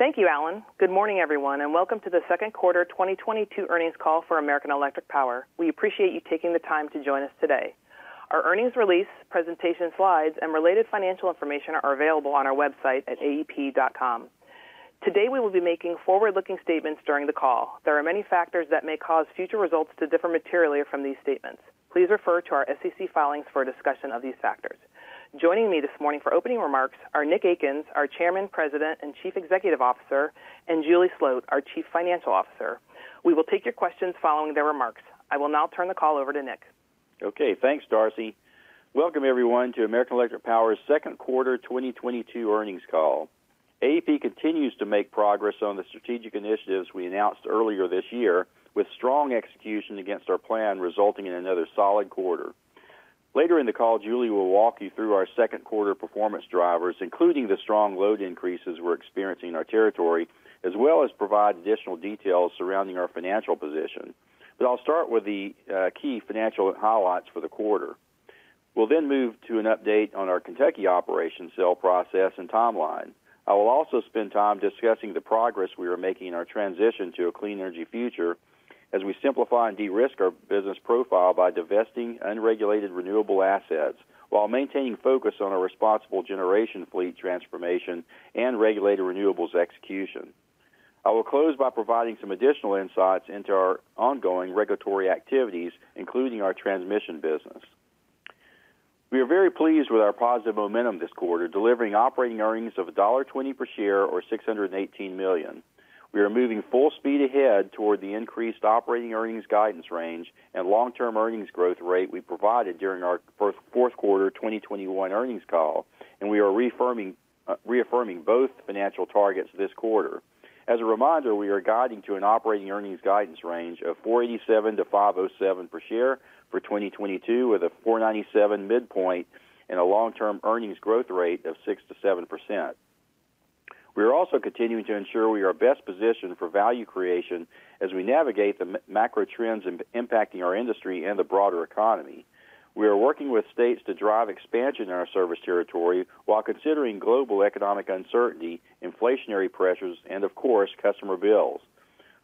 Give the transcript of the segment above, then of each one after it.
Thank you, Alan. Good morning, everyone, and welcome to the second quarter 2022 earnings call for American Electric Power. We appreciate you taking the time to join us today. Our earnings release, presentation slides, and related financial information are available on our website at aep.com. Today, we will be making forward-looking statements during the call. There are many factors that may cause future results to differ materially from these statements. Please refer to our SEC filings for a discussion of these factors. Joining me this morning for opening remarks are Nick Akins, our Chairman, President, and Chief Executive Officer, and Julie Sloat, our Chief Financial Officer. We will take your questions following their remarks. I will now turn the call over to Nick. Okay. Thanks, Darcy. Welcome, everyone, to American Electric Power's second quarter 2022 earnings call. AEP continues to make progress on the strategic initiatives we announced earlier this year, with strong execution against our plan resulting in another solid quarter. Later in the call, Julie will walk you through our second quarter performance drivers, including the strong load increases we're experiencing in our territory, as well as provide additional details surrounding our financial position. I'll start with the key financial highlights for the quarter. We'll then move to an update on our Kentucky operations sale process and timeline. I will also spend time discussing the progress we are making in our transition to a clean energy future as we simplify and de-risk our business profile by divesting unregulated renewable assets while maintaining focus on a responsible generation fleet transformation and regulated renewables execution. I will close by providing some additional insights into our ongoing regulatory activities, including our transmission business. We are very pleased with our positive momentum this quarter, delivering operating earnings of $1.20 per share or $618 million. We are moving full speed ahead toward the increased operating earnings guidance range and long-term earnings growth rate we provided during our fourth quarter 2021 earnings call, and we are reaffirming both financial targets this quarter. As a reminder, we are guiding to an operating earnings guidance range of $4.87-$5.07 per share for 2022, with a $4.97 midpoint and a long-term earnings growth rate of 6%-7%. We are also continuing to ensure we are best positioned for value creation as we navigate the macro trends impacting our industry and the broader economy. We are working with states to drive expansion in our service territory while considering global economic uncertainty, inflationary pressures, and of course, customer bills.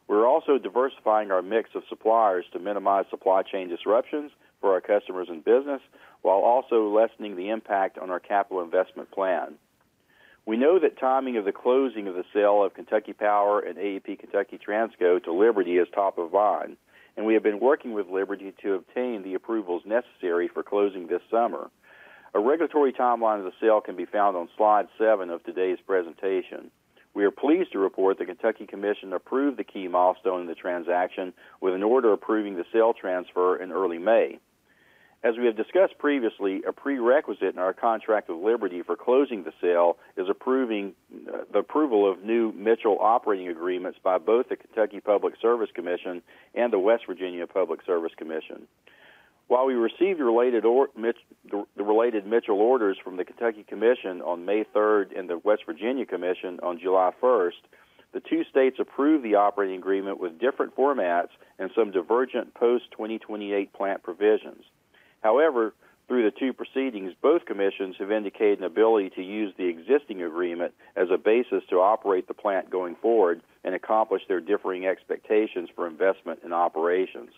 We're also diversifying our mix of suppliers to minimize supply chain disruptions for our customers and business, while also lessening the impact on our capital investment plan. We know that timing of the closing of the sale of Kentucky Power and AEP Kentucky Transco to Liberty is top of mind, and we have been working with Liberty to obtain the approvals necessary for closing this summer. A regulatory timeline of the sale can be found on slide seven of today's presentation. We are pleased to report the Kentucky Commission approved the key milestone in the transaction with an order approving the sale transfer in early May. As we have discussed previously, a prerequisite in our contract with Liberty for closing the sale is approving the approval of new Mitchell operating agreements by both the Kentucky Public Service Commission and the West Virginia Public Service Commission. While we received the related Mitchell orders from the Kentucky Commission on May 3rd and the West Virginia Commission on July 1st, the two states approved the operating agreement with different formats and some divergent post-2028 plant provisions. However, through the two proceedings, both commissions have indicated an ability to use the existing agreement as a basis to operate the plant going forward and accomplish their differing expectations for investment in operations.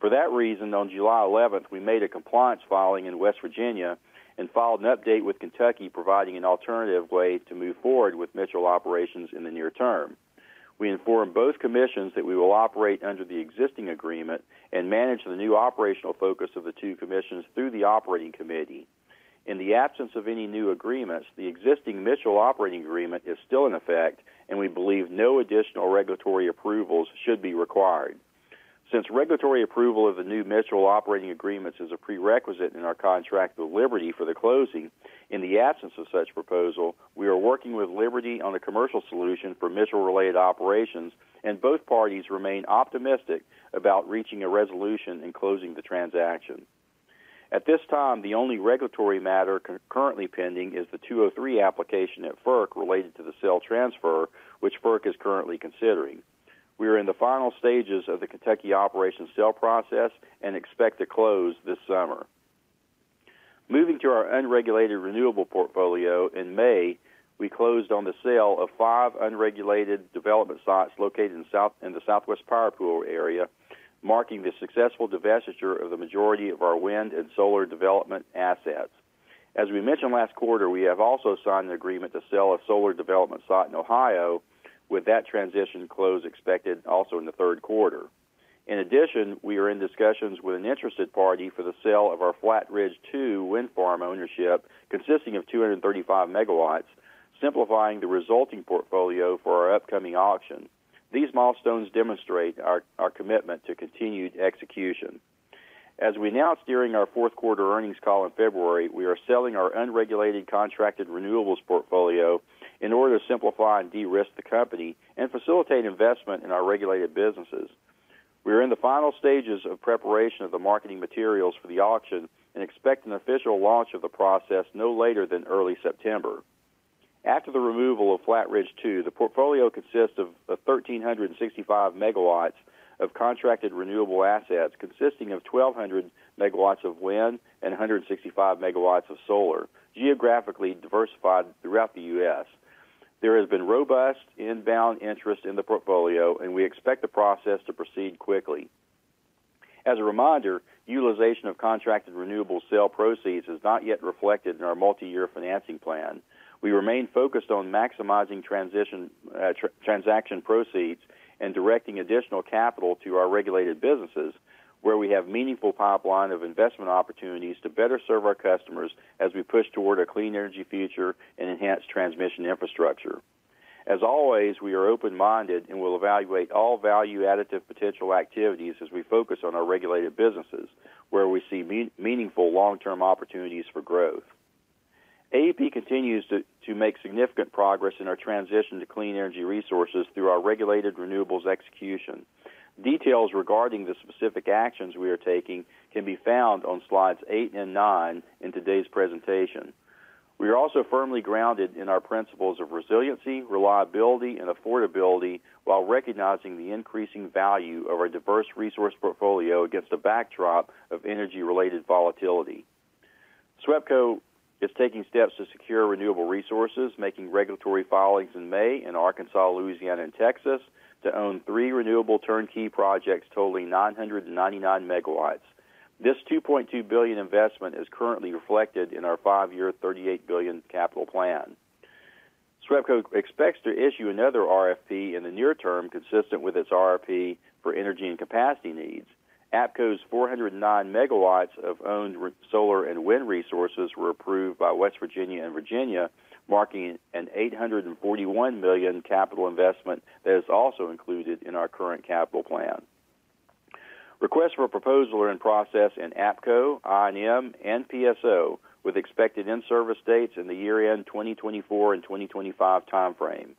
For that reason, on July 11th, we made a compliance filing in West Virginia and filed an update with Kentucky, providing an alternative way to move forward with Mitchell operations in the near term. We informed both commissions that we will operate under the existing agreement and manage the new operational focus of the two commissions through the operating committee. In the absence of any new agreements, the existing Mitchell operating agreement is still in effect, and we believe no additional regulatory approvals should be required. Since regulatory approval of the new Mitchell operating agreements is a prerequisite in our contract with Liberty for the closing, in the absence of such proposal, we are working with Liberty on a commercial solution for Mitchell-related operations, and both parties remain optimistic about reaching a resolution and closing the transaction. At this time, the only regulatory matter currently pending is the 203 application at FERC related to the sale and transfer, which FERC is currently considering. We are in the final stages of the Kentucky operations sale process and expect to close this summer. Moving to our unregulated renewable portfolio, in May, we closed on the sale of five unregulated development sites located in the Southwest Power Pool area, marking the successful divestiture of the majority of our wind and solar development assets. As we mentioned last quarter, we have also signed an agreement to sell a solar development site in Ohio, with that transaction close expected also in the third quarter. In addition, we are in discussions with an interested party for the sale of our Flat Ridge 2 wind farm ownership, consisting of 235 MW, simplifying the resulting portfolio for our upcoming auction. These milestones demonstrate our commitment to continued execution. As we announced during our fourth quarter earnings call in February, we are selling our unregulated contracted renewables portfolio in order to simplify and de-risk the company and facilitate investment in our regulated businesses. We are in the final stages of preparation of the marketing materials for the auction and expect an official launch of the process no later than early September. After the removal of Flat Ridge 2, the portfolio consists of 1,365 MW of contracted renewable assets consisting of 1,200 MW of wind and 165 MW of solar, geographically diversified throughout the U.S. There has been robust inbound interest in the portfolio, and we expect the process to proceed quickly. As a reminder, utilization of contracted renewable sale proceeds is not yet reflected in our multi-year financing plan. We remain focused on maximizing transaction proceeds and directing additional capital to our regulated businesses, where we have meaningful pipeline of investment opportunities to better serve our customers as we push toward a clean energy future and enhanced transmission infrastructure. As always, we are open-minded and will evaluate all value-additive potential activities as we focus on our regulated businesses, where we see meaningful long-term opportunities for growth. AEP continues to make significant progress in our transition to clean energy resources through our regulated renewables execution. Details regarding the specific actions we are taking can be found on slides eight and nine in today's presentation. We are also firmly grounded in our principles of resiliency, reliability, and affordability while recognizing the increasing value of our diverse resource portfolio against a backdrop of energy-related volatility. SWEPCO is taking steps to secure renewable resources, making regulatory filings in May in Arkansas, Louisiana, and Texas to own three renewable turnkey projects totaling 999 MW. This $2.2 billion investment is currently reflected in our five-year $38 billion capital plan. SWEPCO expects to issue another RFP in the near term consistent with its RFP for energy and capacity needs. APCO's 409 MW of owned renewable solar and wind resources were approved by West Virginia and Virginia, marking an $841 million capital investment that is also included in our current capital plan. Requests for proposal are in process in APCO, I&M, and PSO, with expected in-service dates in the year-end 2024 and 2025 timeframe.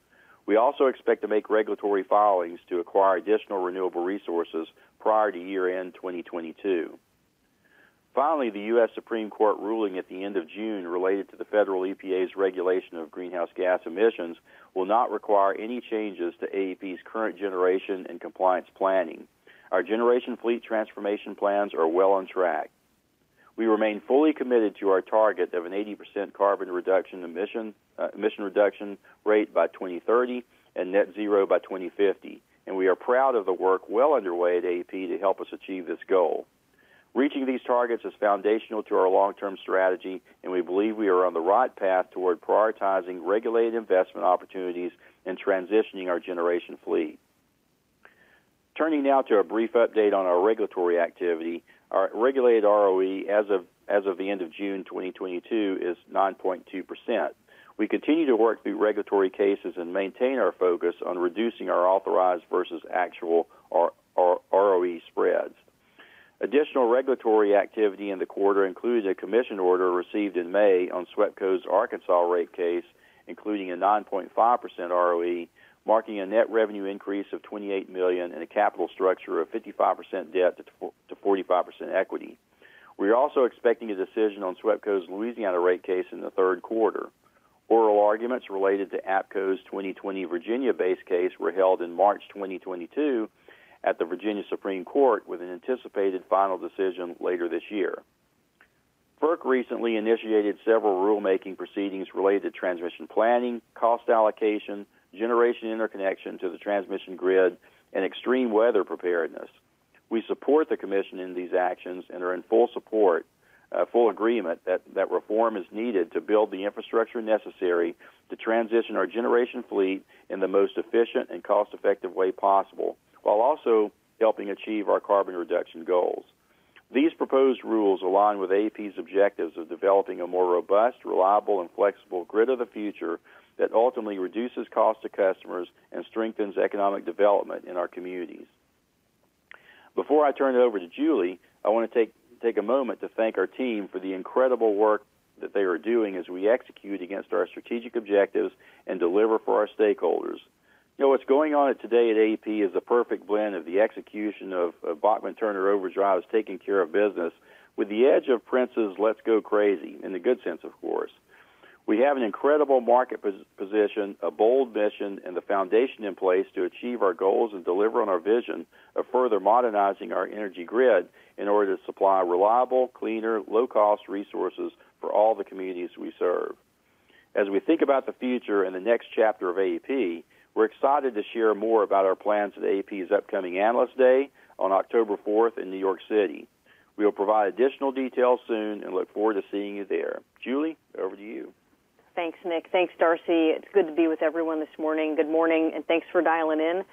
We also expect to make regulatory filings to acquire additional renewable resources prior to year-end 2022. Finally, the U.S. Supreme Court ruling at the end of June related to the federal EPA's regulation of greenhouse gas emissions will not require any changes to AEP's current generation and compliance planning. Our generation fleet transformation plans are well on track. We remain fully committed to our target of an 80% carbon emission reduction rate by 2030 and net zero by 2050, and we are proud of the work well underway at AEP to help us achieve this goal. Reaching these targets is foundational to our long-term strategy, and we believe we are on the right path toward prioritizing regulated investment opportunities and transitioning our generation fleet. Turning now to a brief update on our regulatory activity, our regulated ROE as of the end of June 2022 is 9.2%. We continue to work through regulatory cases and maintain our focus on reducing our authorized versus actual ROE spreads. Additional regulatory activity in the quarter includes a commission order received in May on SWEPCO's Arkansas rate case, including a 9.5% ROE, marking a net revenue increase of $28 million and a capital structure of 55% debt to 45% equity. We are also expecting a decision on SWEPCO's Louisiana rate case in the third quarter. Oral arguments related to APCO's 2020 Virginia base case were held in March 2022 at the Supreme Court of Virginia with an anticipated final decision later this year. FERC recently initiated several rulemaking proceedings related to transmission planning, cost allocation, generation interconnection to the transmission grid, and extreme weather preparedness. We support the commission in these actions and are in full support, full agreement that reform is needed to build the infrastructure necessary to transition our generation fleet in the most efficient and cost-effective way possible, while also helping achieve our carbon reduction goals. These proposed rules align with AEP's objectives of developing a more robust, reliable, and flexible grid of the future that ultimately reduces cost to customers and strengthens economic development in our communities. Before I turn it over to Julie, I want to take a moment to thank our team for the incredible work that they are doing as we execute against our strategic objectives and deliver for our stakeholders. You know, what's going on today at AEP is a perfect blend of the execution of Bachman-Turner Overdrive's Takin' Care of Business with the edge of Prince's Let's Go Crazy, in the good sense, of course. We have an incredible market position, a bold mission, and the foundation in place to achieve our goals and deliver on our vision of further modernizing our energy grid in order to supply reliable, cleaner, low-cost resources for all the communities we serve. As we think about the future and the next chapter of AEP, we're excited to share more about our plans at AEP's upcoming Analyst Day on October 4th in New York City. We'll provide additional details soon and look forward to seeing you there. Julie, over to you. Thanks, Nick. Thanks, Darcy. It's good to be with everyone this morning. Good morning, and thanks for dialing in.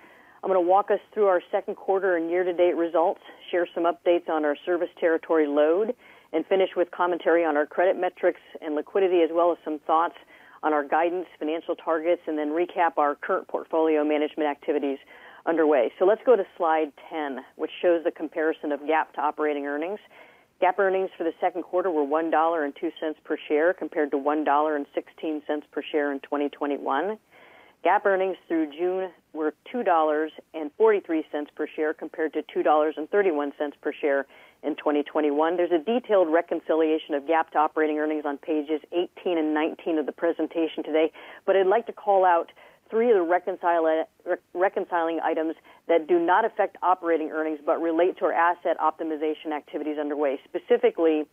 I'm gonna walk us through our second quarter and year-to-date results, share some updates on our service territory load, and finish with commentary on our credit metrics and liquidity, as well as some thoughts on our guidance, financial targets, and then recap our current portfolio management activities underway. Let's go to slide 10, which shows a comparison of GAAP to operating earnings. GAAP earnings for the second quarter were $1.02 per share compared to $1.16 per share in 2021. GAAP earnings through June were $2.43 per share compared to $2.31 per share in 2021. There's a detailed reconciliation of GAAP to operating earnings on pages 18 and 19 of the presentation today, but I'd like to call out three of the reconciling items that do not affect operating earnings but relate to our asset optimization activities underway. Specifically,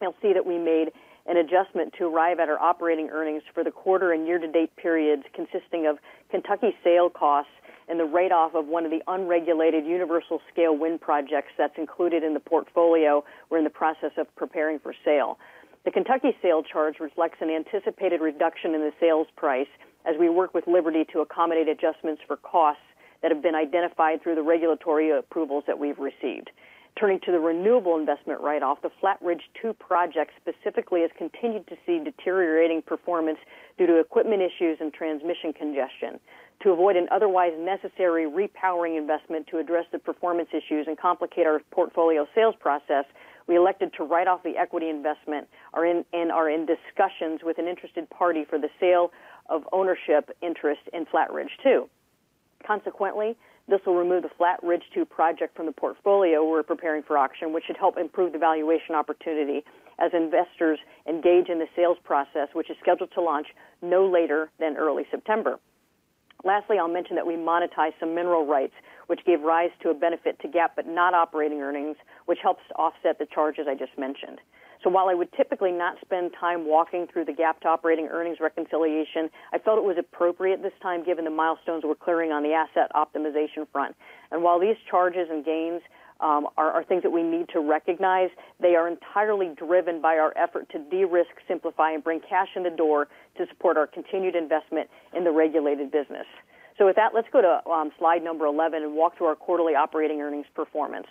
you'll see that we made an adjustment to arrive at our operating earnings for the quarter and year-to-date periods consisting of Kentucky sale costs and the write-off of one of the unregulated utility-scale wind projects that's included in the portfolio we're in the process of preparing for sale. The Kentucky sale charge reflects an anticipated reduction in the sales price as we work with Liberty to accommodate adjustments for costs that have been identified through the regulatory approvals that we've received. Turning to the renewable investment write-off, the Flat Ridge 2 project specifically has continued to see deteriorating performance due to equipment issues and transmission congestion. To avoid an otherwise necessary repowering investment to address the performance issues and complicate our portfolio sales process, we elected to write off the equity investment and are in discussions with an interested party for the sale of ownership interest in Flat Ridge 2. Consequently, this will remove the Flat Ridge 2 project from the portfolio we're preparing for auction, which should help improve the valuation opportunity as investors engage in the sales process, which is scheduled to launch no later than early September. Lastly, I'll mention that we monetized some mineral rights, which gave rise to a benefit to GAAP, but not operating earnings, which helps offset the charges I just mentioned. While I would typically not spend time walking through the GAAP to operating earnings reconciliation, I felt it was appropriate this time given the milestones we're clearing on the asset optimization front. While these charges and gains are things that we need to recognize, they are entirely driven by our effort to de-risk, simplify, and bring cash in the door to support our continued investment in the regulated business. With that, let's go to slide 11 and walk through our quarterly operating earnings performance.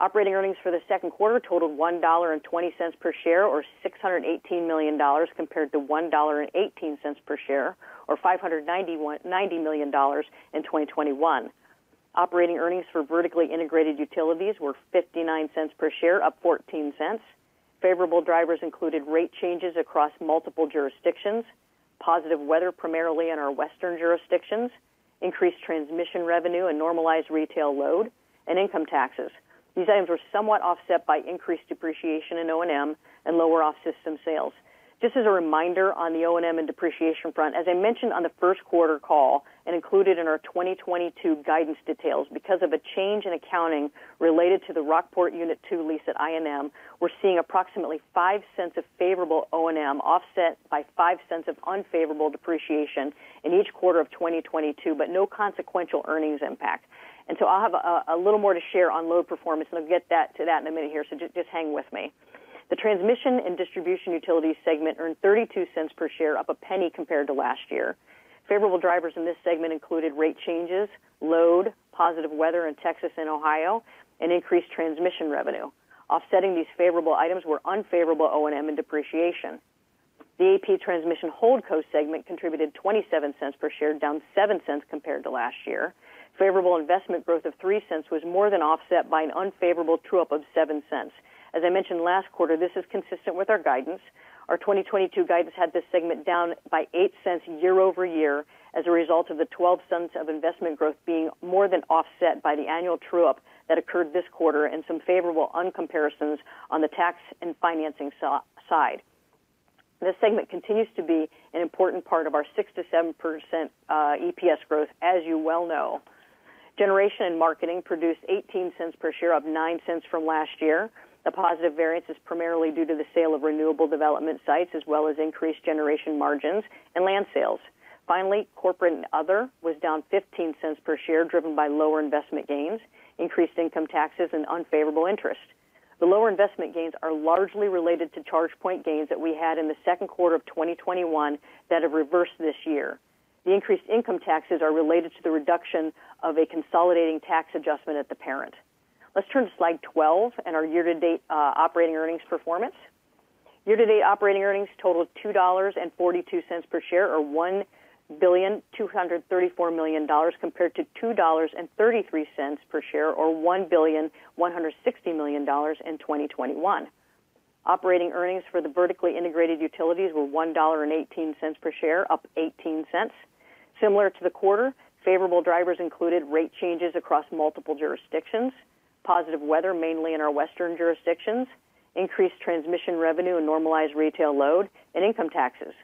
Operating earnings for the second quarter totaled $1.20 per share, or $618 million, compared to $1.18 per share, or $591 million in 2021. Operating earnings for Vertically Integrated Utilities were $0.59 per share, up $0.14. Favorable drivers included rate changes across multiple jurisdictions, positive weather primarily in our western jurisdictions, increased transmission revenue and normalized retail load, and income taxes. These items were somewhat offset by increased depreciation in O&M and lower off-system sales. Just as a reminder on the O&M and depreciation front, as I mentioned on the first quarter call and included in our 2022 guidance details, because of a change in accounting related to the Rockport Unit 2 lease at I&M, we're seeing approximately $0.05 of favorable O&M offset by $0.05 of unfavorable depreciation in each quarter of 2022, but no consequential earnings impact. I'll have a little more to share on load performance, and I'll get to that in a minute here, so just hang with me. The Transmission & Distribution Utility segment earned $0.32 per share, up $0.01 compared to last year. Favorable drivers in this segment included rate changes, load, positive weather in Texas and Ohio, and increased transmission revenue. Offsetting these favorable items were unfavorable O&M and depreciation. The AEP Transmission Holdco segment contributed $0.27 per share, down $0.07 compared to last year. Favorable investment growth of $0.03 was more than offset by an unfavorable true-up of $0.07. As I mentioned last quarter, this is consistent with our guidance. Our 2022 guidance had this segment down by $0.08 year-over-year as a result of the $0.12 of investment growth being more than offset by the annual true-up that occurred this quarter and some favorable uncomparisons on the tax and financing side. This segment continues to be an important part of our 6%-7% EPS growth, as you well know. Generation & Marketing produced $0.18 per share, up $0.09 From last year. The positive variance is primarily due to the sale of renewable development sites, as well as increased generation margins and land sales. Finally, corporate and other was down $0.15 per share, driven by lower investment gains, increased income taxes, and unfavorable interest. The lower investment gains are largely related to ChargePoint gains that we had in the second quarter of 2021 that have reversed this year. The increased income taxes are related to the reduction of a consolidating tax adjustment at the parent. Let's turn to slide 12 and our year-to-date operating earnings performance. Year-to-date operating earnings totaled $2.42 per share, or $1.234 billion, compared to $2.33 per share, or $1.16 billion in 2021. Operating earnings for the Vertically Integrated Utilities were $1.18 per share, up $0.18. Similar to the quarter, favorable drivers included rate changes across multiple jurisdictions, positive weather mainly in our western jurisdictions, increased transmission revenue and normalized retail load, and income taxes.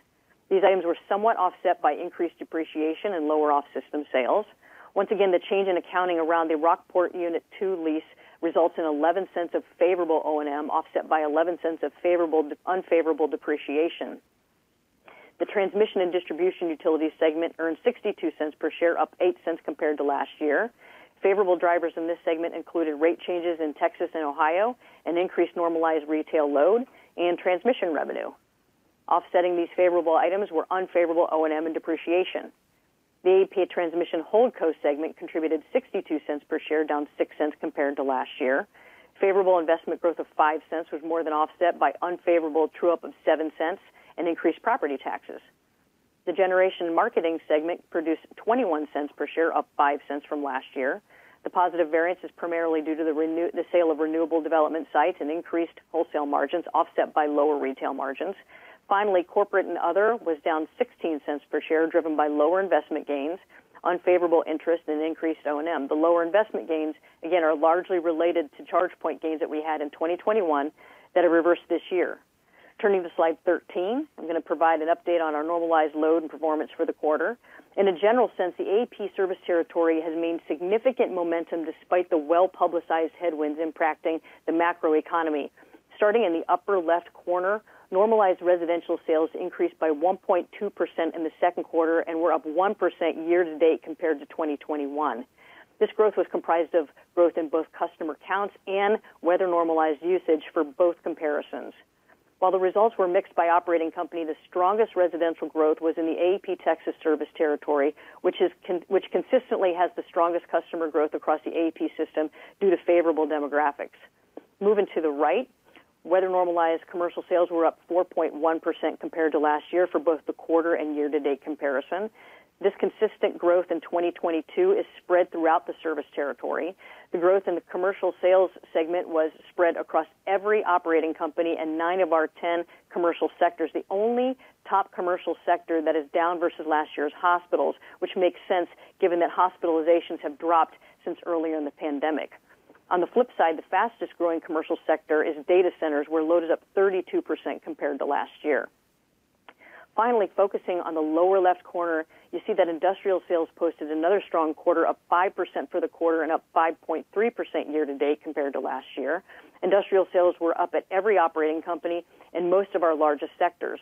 These items were somewhat offset by increased depreciation and lower off-system sales. Once again, the change in accounting around the Rockport Unit 2 lease results in $0.11 of favorable O&M, offset by $0.11 of unfavorable depreciation. The Transmission & Distribution Utility segment earned $0.62 per share, up $0.08 compared to last year. Favorable drivers in this segment included rate changes in Texas and Ohio and increased normalized retail load and transmission revenue. Offsetting these favorable items were unfavorable O&M and depreciation. The AEP Transmission Holdco segment contributed $0.62 per share, down $0.06 compared to last year. Favorable investment growth of $0.05 was more than offset by unfavorable true-up of $0.07 and increased property taxes. The Generation & Marketing segment produced $0.21 per share, up $0.05 from last year. The positive variance is primarily due to the sale of renewable development sites and increased wholesale margins, offset by lower retail margins. Finally, corporate and other was down $0.16 per share, driven by lower investment gains, unfavorable interest, and increased O&M. The lower investment gains, again, are largely related to ChargePoint gains that we had in 2021 that have reversed this year. Turning to slide 13, I'm gonna provide an update on our normalized load and performance for the quarter. In a general sense, the AEP service territory has remained significant momentum despite the well-publicized headwinds impacting the macro economy. Starting in the upper left corner, normalized residential sales increased by 1.2% in the second quarter and were up 1% year-to-date compared to 2021. This growth was comprised of growth in both customer counts and weather-normalized usage for both comparisons. While the results were mixed by operating company, the strongest residential growth was in the AEP Texas service territory, which consistently has the strongest customer growth across the AEP system due to favorable demographics. Moving to the right, weather-normalized commercial sales were up 4.1% compared to last year for both the quarter and year-to-date comparison. This consistent growth in 2022 is spread throughout the service territory. The growth in the commercial sales segment was spread across every operating company and nine of our 10 commercial sectors. The only top commercial sector that is down versus last year is hospitals, which makes sense given that hospitalizations have dropped since earlier in the pandemic. On the flip side, the fastest-growing commercial sector is data centers, were loaded up 32% compared to last year. Finally, focusing on the lower left corner, you see that industrial sales posted another strong quarter, up 5% for the quarter and up 5.3% year-to-date compared to last year. Industrial sales were up at every operating company in most of our largest sectors.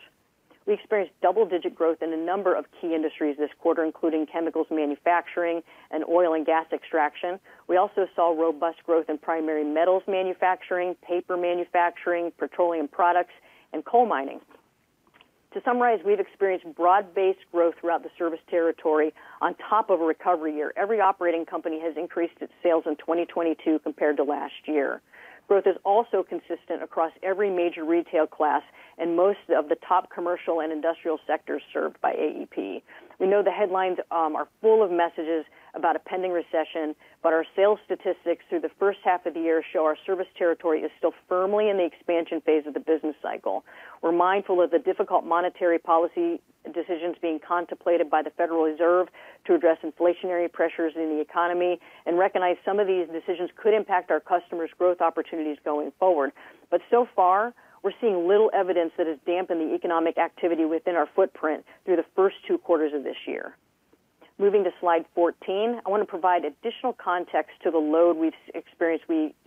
We experienced double-digit growth in a number of key industries this quarter, including chemicals manufacturing and oil and gas extraction. We also saw robust growth in primary metals manufacturing, paper manufacturing, petroleum products, and coal mining. To summarize, we've experienced broad-based growth throughout the service territory on top of a recovery year. Every operating company has increased its sales in 2022 compared to last year. Growth is also consistent across every major retail class and most of the top commercial and industrial sectors served by AEP. We know the headlines are full of messages about a pending recession, but our sales statistics through the first half of the year show our service territory is still firmly in the expansion phase of the business cycle. We're mindful of the difficult monetary policy decisions being contemplated by the Federal Reserve to address inflationary pressures in the economy and recognize some of these decisions could impact our customers' growth opportunities going forward. So far, we're seeing little evidence that has dampened the economic activity within our footprint through the first two quarters of this year. Moving to slide 14, I want to provide additional context to the load we've experienced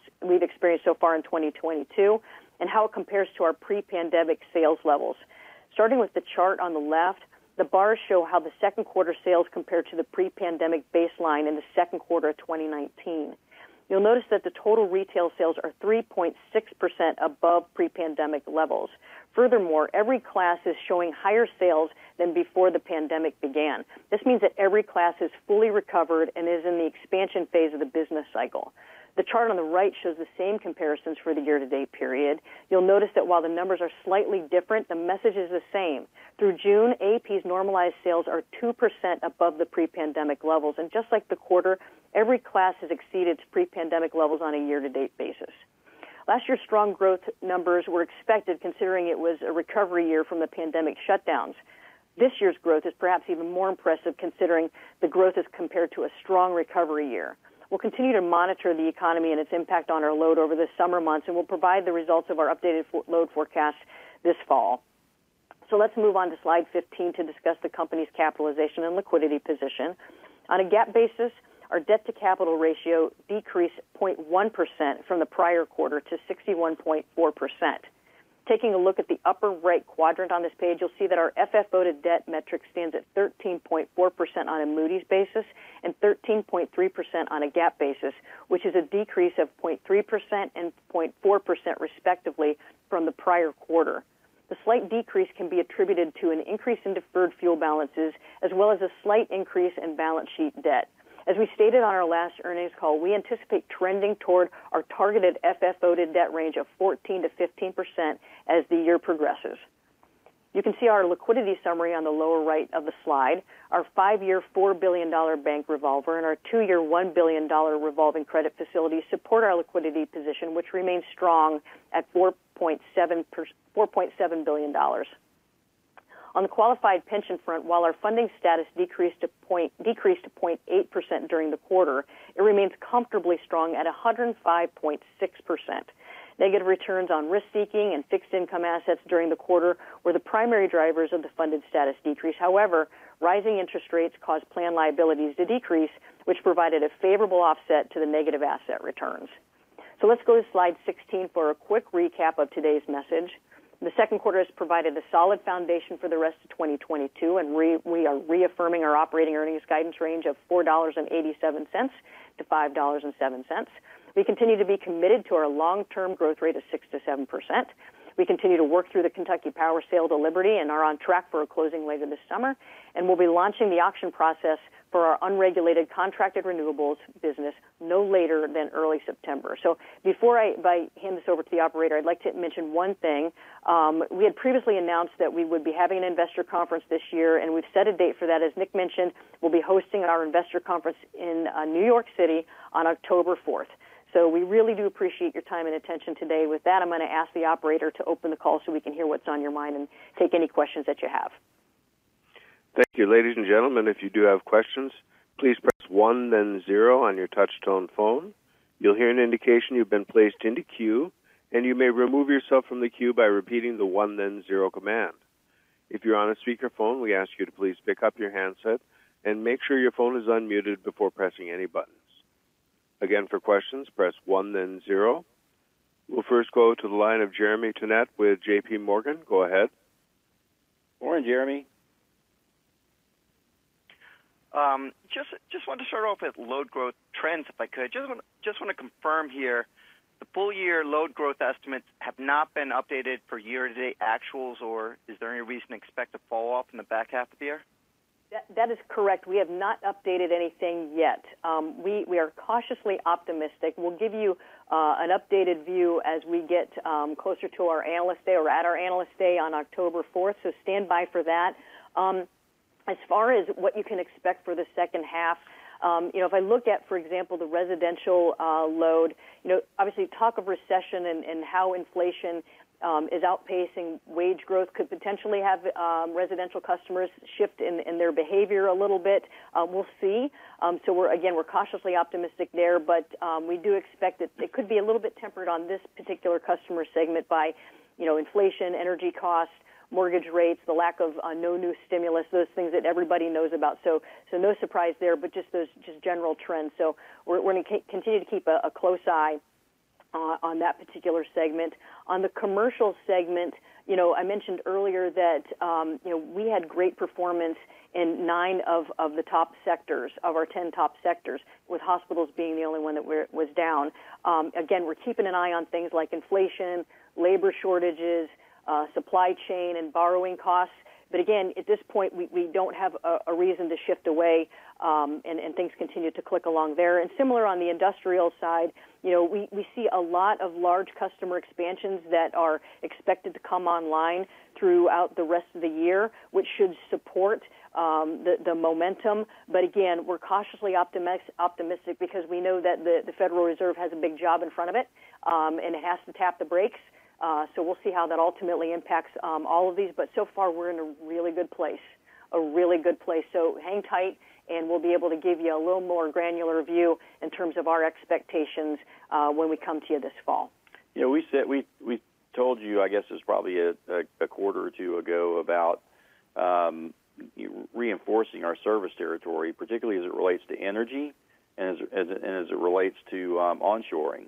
so far in 2022 and how it compares to our pre-pandemic sales levels. Starting with the chart on the left, the bars show how the second quarter sales compare to the pre-pandemic baseline in the second quarter of 2019. You'll notice that the total retail sales are 3.6% above pre-pandemic levels. Furthermore, every class is showing higher sales than before the pandemic began. This means that every class has fully recovered and is in the expansion phase of the business cycle. The chart on the right shows the same comparisons for the year-to-date period. You'll notice that while the numbers are slightly different, the message is the same. Through June, AEP's normalized sales are 2% above the pre-pandemic levels. Just like the quarter, every class has exceeded its pre-pandemic levels on a year-to-date basis. Last year's strong growth numbers were expected, considering it was a recovery year from the pandemic shutdowns. This year's growth is perhaps even more impressive, considering the growth is compared to a strong recovery year. We'll continue to monitor the economy and its impact on our load over the summer months, and we'll provide the results of our updated for-load forecast this fall. Let's move on to slide 15 to discuss the company's capitalization and liquidity position. On a GAAP basis, our debt-to-capital ratio decreased 0.1% from the prior quarter to 61.4%. Taking a look at the upper right quadrant on this page, you'll see that our FFO to debt metric stands at 13.4% on a Moody's basis and 13.3% on a GAAP basis, which is a decrease of 0.3% and 0.4% respectively from the prior quarter. The slight decrease can be attributed to an increase in deferred fuel balances as well as a slight increase in balance sheet debt. As we stated on our last earnings call, we anticipate trending toward our targeted FFO to debt range of 14%-15% as the year progresses. You can see our liquidity summary on the lower right of the slide. Our five-year, $4 billion bank revolver and our two-year, $1 billion revolving credit facility support our liquidity position, which remains strong at $4.7 billion. On the qualified pension front, while our funding status decreased by 0.8% during the quarter, it remains comfortably strong at 105.6%. Negative returns on equity and fixed income assets during the quarter were the primary drivers of the funded status decrease. However, rising interest rates caused plan liabilities to decrease, which provided a favorable offset to the negative asset returns. Let's go to slide 16 for a quick recap of today's message. The second quarter has provided a solid foundation for the rest of 2022, and we are reaffirming our operating earnings guidance range of $4.87-$5.07. We continue to be committed to our long-term growth rate of 6%-7%. We continue to work through the Kentucky Power sale to Liberty and are on track for a closing later this summer. We'll be launching the auction process for our unregulated contracted renewables business no later than early September. Before I hand this over to the operator, I'd like to mention one thing. We had previously announced that we would be having an investor conference this year, and we've set a date for that. As Nick mentioned, we'll be hosting our investor conference in New York City on October 4th. We really do appreciate your time and attention today. With that, I'm gonna ask the operator to open the call so we can hear what's on your mind and take any questions that you have. Thank you. Ladies and gentlemen, if you do have questions, please press one then zero on your touch-tone phone. You'll hear an indication you've been placed into queue, and you may remove yourself from the queue by repeating the one then zero command. If you're on a speakerphone, we ask you to please pick up your handset and make sure your phone is unmuted before pressing any buttons. Again, for questions, press one then zero. We'll first go to the line of Jeremy Tonet with JPMorgan. Go ahead. Morning, Jeremy. Just wanted to start off with load growth trends, if I could. Just want to confirm here the full year load growth estimates have not been updated for year-to-date actuals, or is there any reason to expect a fall off in the back half of the year? That is correct. We have not updated anything yet. We are cautiously optimistic. We'll give you an updated view as we get closer to our Analyst Day or at our Analyst Day on October 4th. Stand by for that. As far as what you can expect for the second half, you know, if I look at, for example, the residential load, you know, obviously talk of recession and how inflation is outpacing wage growth could potentially have residential customers shift in their behavior a little bit. We'll see. We're again cautiously optimistic there, but we do expect it could be a little bit tempered on this particular customer segment by, you know, inflation, energy costs, mortgage rates, the lack of no new stimulus, those things that everybody knows about. No surprise there, but just those general trends. We're gonna continue to keep a close eye on that particular segment. On the commercial segment, you know, I mentioned earlier that, you know, we had great performance in nine of the top sectors of our 10 top sectors, with hospitals being the only one that was down. Again, we're keeping an eye on things like inflation, labor shortages, supply chain and borrowing costs. Again, at this point, we don't have a reason to shift away, and things continue to click along there. Similar on the industrial side, you know, we see a lot of large customer expansions that are expected to come online throughout the rest of the year, which should support the momentum. Again, we're cautiously optimistic because we know that the Federal Reserve has a big job in front of it, and it has to tap the brakes. We'll see how that ultimately impacts all of these. So far, we're in a really good place, a really good place. Hang tight, and we'll be able to give you a little more granular view in terms of our expectations when we come to you this fall. You know, we told you, I guess it was probably a quarter or two ago about reinforcing our service territory, particularly as it relates to energy and as it relates to onshoring.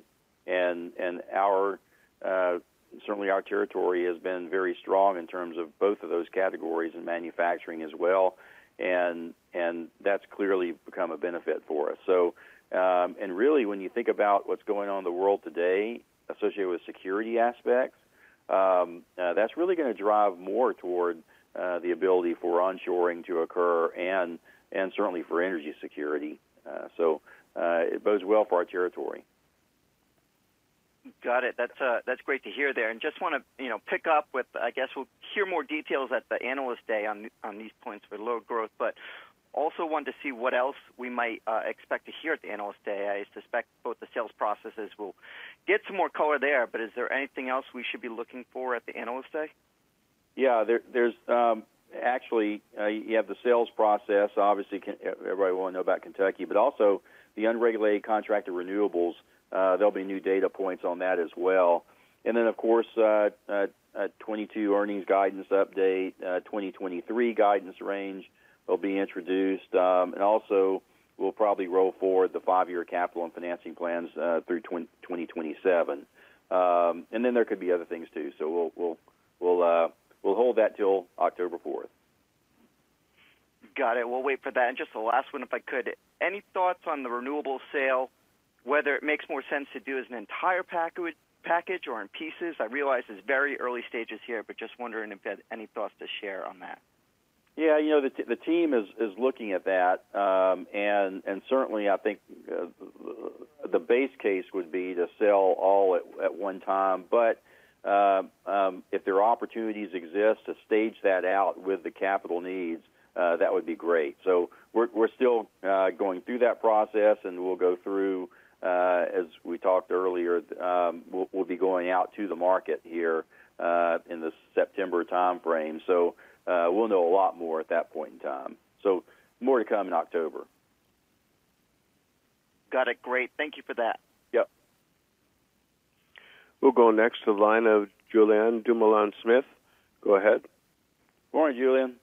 Our territory has been very strong in terms of both of those categories and manufacturing as well, and that's clearly become a benefit for us. Really, when you think about what's going on in the world today associated with security aspects, that's really gonna drive more toward the ability for onshoring to occur and certainly for energy security. It bodes well for our territory. Got it. That's great to hear there. Just wanna, you know, pick up with—I guess we'll hear more details at the Analyst Day on these points for load growth, but also wanted to see what else we might expect to hear at the Analyst Day. I suspect both the sales processes will get some more color there, but is there anything else we should be looking for at the Analyst Day? Yeah. There's actually you have the sales process. Obviously, everybody will wanna know about Kentucky, but also the unregulated contracted renewables. There'll be new data points on that as well. Then, of course, a 2022 earnings guidance update, 2023 guidance range will be introduced. Also we'll probably roll forward the five-year capital and financing plans through 2027. Then there could be other things too. We'll hold that till October 4th. Got it. We'll wait for that. Just the last one, if I could. Any thoughts on the renewable sale, whether it makes more sense to do as an entire package or in pieces? I realize it's very early stages here, but just wondering if you had any thoughts to share on that. Yeah. You know, the team is looking at that. Certainly I think the base case would be to sell all at one time. If opportunities exist to stage that out with the capital needs, that would be great. We're still going through that process, and we'll go through, as we talked earlier, we'll be going out to the market here, in the September timeframe. We'll know a lot more at that point in time. More to come in October. Got it. Great. Thank you for that. Yep. We'll go next to the line of Julien Dumoulin-Smith. Go ahead. Morning, Julien.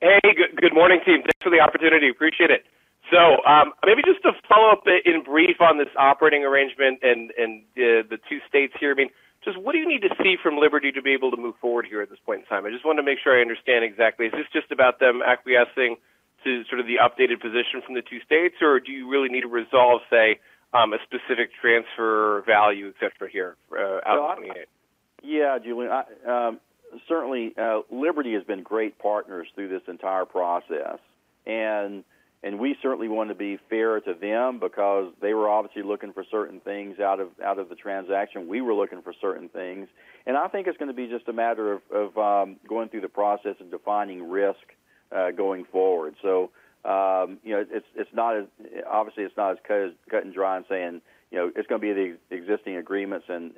Hey, good morning, team. Thanks for the opportunity. Appreciate it. Maybe just to follow up in brief on this operating arrangement and the two states here. I mean, just what do you need to see from Liberty to be able to move forward here at this point in time? I just wanted to make sure I understand exactly. Is this just about them acquiescing to sort of the updated position from the two states, or do you really need to resolve, say, a specific transfer value, et cetera here, out of 2028? Yeah, Julien. I certainly Liberty has been great partners through this entire process. We certainly want to be fair to them because they were obviously looking for certain things out of the transaction. We were looking for certain things. I think it's gonna be just a matter of going through the process and defining risk, going forward. You know, it's not as obviously, it's not as cut and dry as saying, you know, it's gonna be the existing agreements and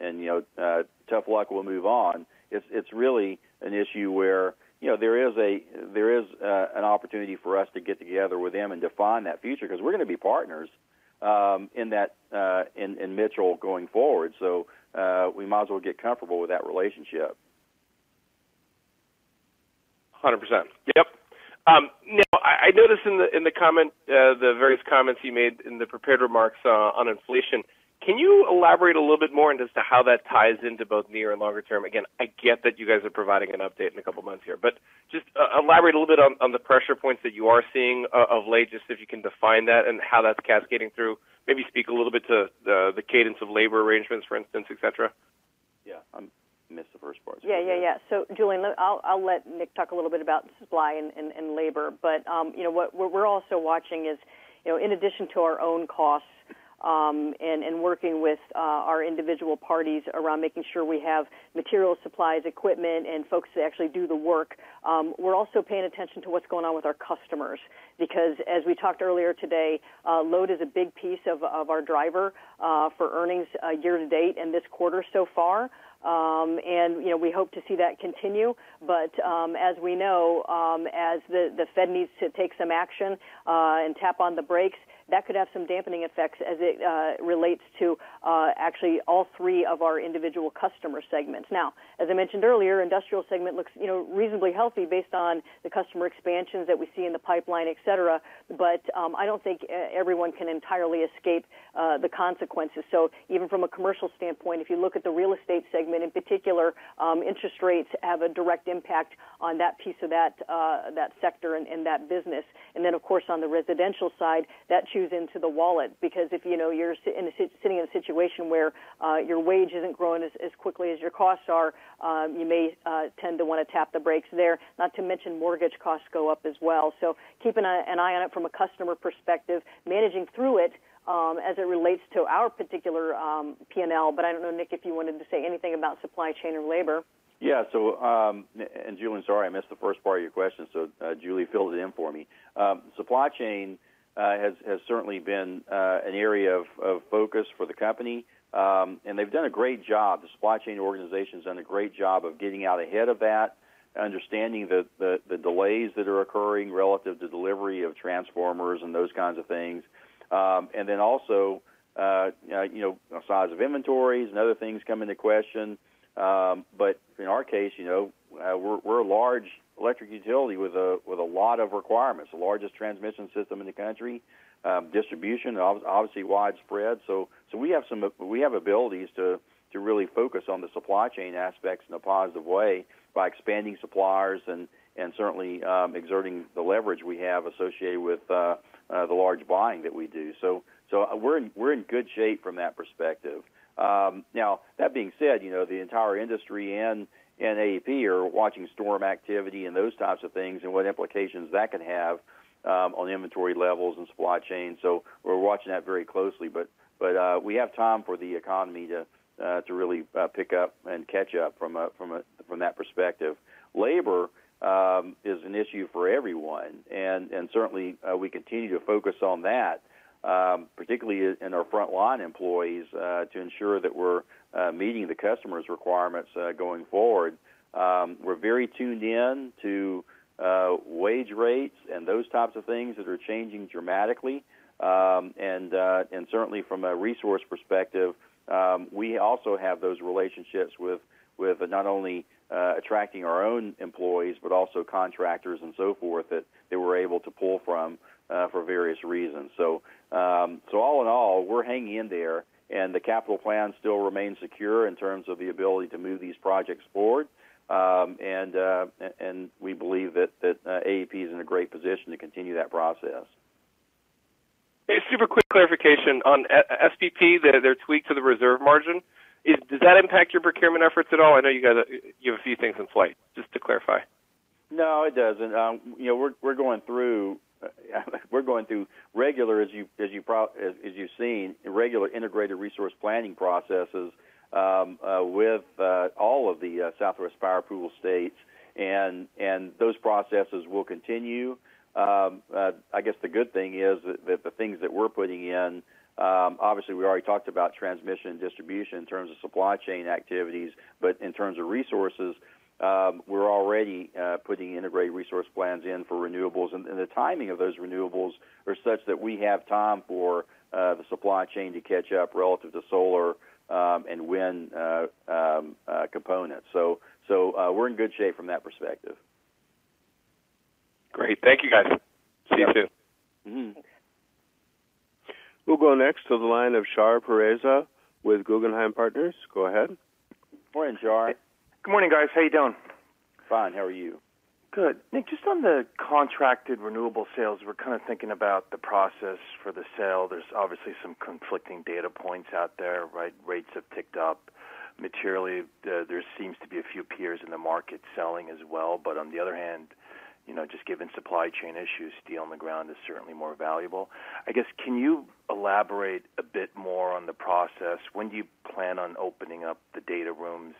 tough luck, we'll move on. It's really an issue where, you know, there is an opportunity for us to get together with them and define that future because we're gonna be partners in that in Mitchell going forward. We might as well get comfortable with that relationship. 100%. Yep. Nick, I noticed in the various comments you made in the prepared remarks on inflation. Can you elaborate a little bit more into as to how that ties into both near and longer term? Again, I get that you guys are providing an update in a couple of months here, but just elaborate a little bit on the pressure points that you are seeing of late, just if you can define that and how that's cascading through. Maybe speak a little bit to the cadence of labor arrangements, for instance, et cetera. Yeah. I missed the first part. Yeah, yeah. Julien, I'll let Nick talk a little bit about supply and labor. You know, what we're also watching is, you know, in addition to our own costs, and working with our individual parties around making sure we have materials, supplies, equipment, and folks to actually do the work, we're also paying attention to what's going on with our customers. Because as we talked earlier today, load is a big piece of our driver for earnings, year to date and this quarter so far. You know, we hope to see that continue. As we know, as the Fed needs to take some action and tap on the brakes, that could have some dampening effects as it relates to actually all three of our individual customer segments. Now, as I mentioned earlier, industrial segment looks, you know, reasonably healthy based on the customer expansions that we see in the pipeline, et cetera. I don't think everyone can entirely escape the consequences. Even from a commercial standpoint, if you look at the real estate segment, in particular, interest rates have a direct impact on that piece of that that sector and that business. Of course, on the residential side, that chews into the wallet, because if you're sitting in a situation where your wage isn't growing as quickly as your costs are, you may tend to want to tap the brakes there. Not to mention mortgage costs go up as well. Keeping an eye on it from a customer perspective, managing through it, as it relates to our particular P&L. I don't know, Nick, if you wanted to say anything about supply chain or labor. Yeah. Julien, sorry, I missed the first part of your question. Julie filled it in for me. Supply chain has certainly been an area of focus for the company, and they've done a great job. The supply chain organization has done a great job of getting out ahead of that, understanding the delays that are occurring relative to delivery of transformers and those kinds of things. Also, you know, size of inventories and other things come into question. In our case, you know, we're a large electric utility with a lot of requirements, the largest transmission system in the country, distribution obviously widespread. We have abilities to really focus on the supply chain aspects in a positive way by expanding suppliers and certainly exerting the leverage we have associated with the large buying that we do. We're in good shape from that perspective. Now, that being said, you know, the entire industry and AEP are watching storm activity and those types of things and what implications that could have on inventory levels and supply chain. We're watching that very closely. We have time for the economy to really pick up and catch up from that perspective. Labor is an issue for everyone, and certainly we continue to focus on that, particularly in our frontline employees to ensure that we're meeting the customer's requirements going forward. We're very tuned in to wage rates and those types of things that are changing dramatically. Certainly from a resource perspective, we also have those relationships with not only attracting our own employees, but also contractors and so forth that we're able to pull from for various reasons. All in all, we're hanging in there, and the capital plan still remains secure in terms of the ability to move these projects forward. We believe that AEP is in a great position to continue that process. A super quick clarification. On SPP, their tweak to the reserve margin, does that impact your procurement efforts at all? I know you guys, you have a few things in flight, just to clarify. No, it doesn't. You know, we're going through regular integrated resource planning processes, as you've seen, with all of the Southwest Power Pool states, and those processes will continue. I guess the good thing is that the things that we're putting in, obviously, we already talked about Transmission & Distribution in terms of supply chain activities, but in terms of resources, we're already putting integrated resource plans in for renewables, and the timing of those renewables are such that we have time for the supply chain to catch up relative to solar and wind components. We're in good shape from that perspective. Great. Thank you, guys. See you soon. Mm-hmm. We'll go next to the line of Shahriar Pourreza with Guggenheim Partners. Go ahead. Morning, Shar. Good morning, guys. How you doing? Fine. How are you? Good. Nick, just on the contracted renewable sales, we're kind of thinking about the process for the sale. There's obviously some conflicting data points out there, right? Rates have ticked up materially. There seems to be a few peers in the market selling as well. But on the other hand, you know, just given supply chain issues, steel on the ground is certainly more valuable. I guess, can you elaborate a bit more on the process? When do you plan on opening up the data rooms?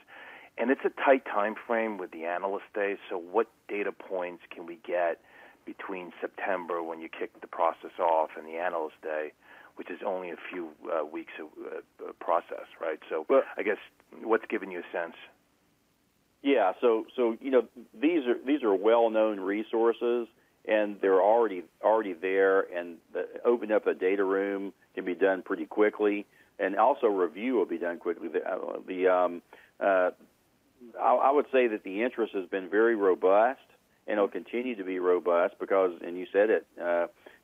It's a tight timeframe with the Analyst Day, so what data points can we get between September when you kick the process off and the Analyst Day, which is only a few weeks of process, right? So- Well- I guess what's giving you a sense? Yeah. You know, these are well-known resources, and they're already there. Opening up a data room can be done pretty quickly. Also, review will be done quickly. I would say that the interest has been very robust and it'll continue to be robust because, and you said it,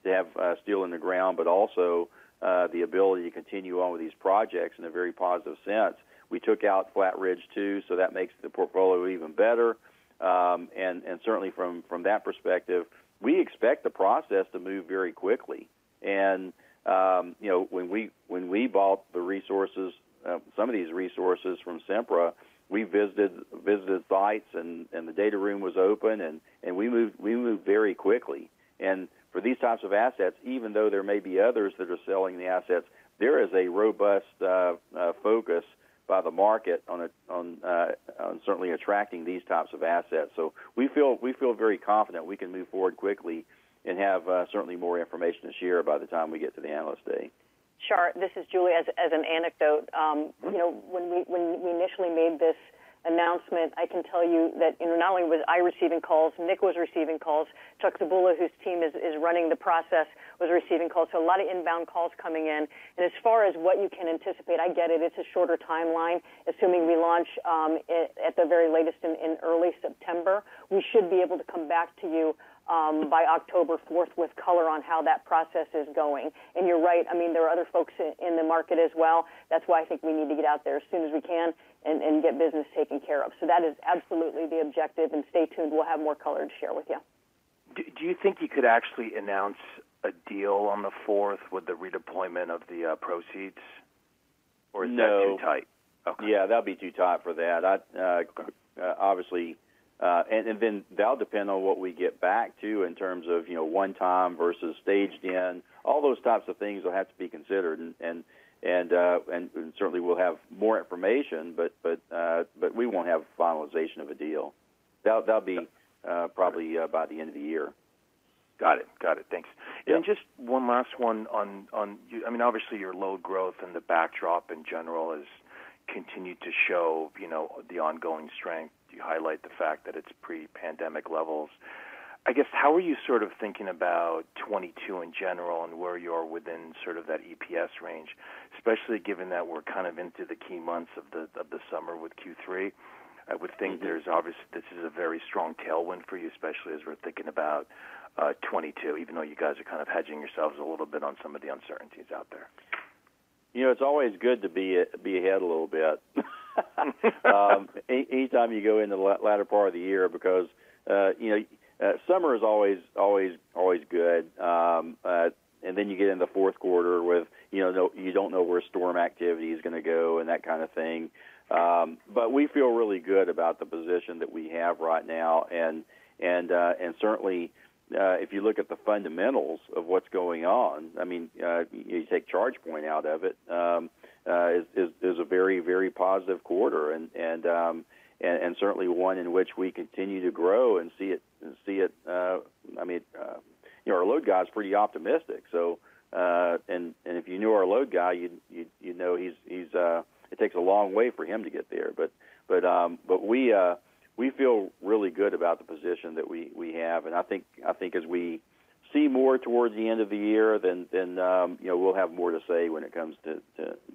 they have steel in the ground, but also, the ability to continue all of these projects in a very positive sense. We took out Flat Ridge 2, so that makes the portfolio even better. Certainly from that perspective, we expect the process to move very quickly. You know, when we bought the resources, some of these resources from Sempra, we visited sites and the data room was open and we moved very quickly. For these types of assets, even though there may be others that are selling the assets, there is a robust focus by the market on certainly attracting these types of assets. We feel very confident we can move forward quickly and have certainly more information to share by the time we get to the Analyst Day. Shar, this is Julie. As an anecdote, Mm-hmm You know, when we initially made this announcement, I can tell you that, you know, not only was I receiving calls, Nick was receiving calls. Charles Zebula, whose team is running the process, was receiving calls. A lot of inbound calls coming in. As far as what you can anticipate, I get it's a shorter timeline. Assuming we launch at the very latest in early September, we should be able to come back to you by October fourth with color on how that process is going. You're right, I mean, there are other folks in the market as well. That's why I think we need to get out there as soon as we can and get business taken care of. That is absolutely the objective. Stay tuned, we'll have more color to share with you. Do you think you could actually announce a deal on the fourth with the redeployment of the proceeds? Or is that? No too tight? Okay. Yeah, that'd be too tight for that. I'd obviously then that'll depend on what we get back, too, in terms of, you know, one time versus staged in. All those types of things will have to be considered. Certainly we'll have more information, but we won't have finalization of a deal. That'll be probably by the end of the year. Got it. Thanks. Yeah. Just one last one on. I mean, obviously your load growth and the backdrop in general has continued to show, you know, the ongoing strength. You highlight the fact that it's pre-pandemic levels. I guess, how are you sort of thinking about 2022 in general and where you are within sort of that EPS range, especially given that we're kind of into the key months of the summer with Q3? I would think- Mm-hmm -there's obviously this is a very strong tailwind for you, especially as we're thinking about, 2022, even though you guys are kind of hedging yourselves a little bit on some of the uncertainties out there. You know, it's always good to be ahead a little bit anytime you go into the latter part of the year because, you know, summer is always good. Then you get into fourth quarter with, you know, you don't know where storm activity is gonna go and that kind of thing. We feel really good about the position that we have right now. Certainly, if you look at the fundamentals of what's going on, I mean, you take ChargePoint out of it's a very positive quarter and certainly one in which we continue to grow and see it. I mean, you know, our load guy's pretty optimistic, so and if you knew our load guy, you'd know he's it takes a long way for him to get there. We feel really good about the position that we have. I think as we see more towards the end of the year, then you know, we'll have more to say when it comes to,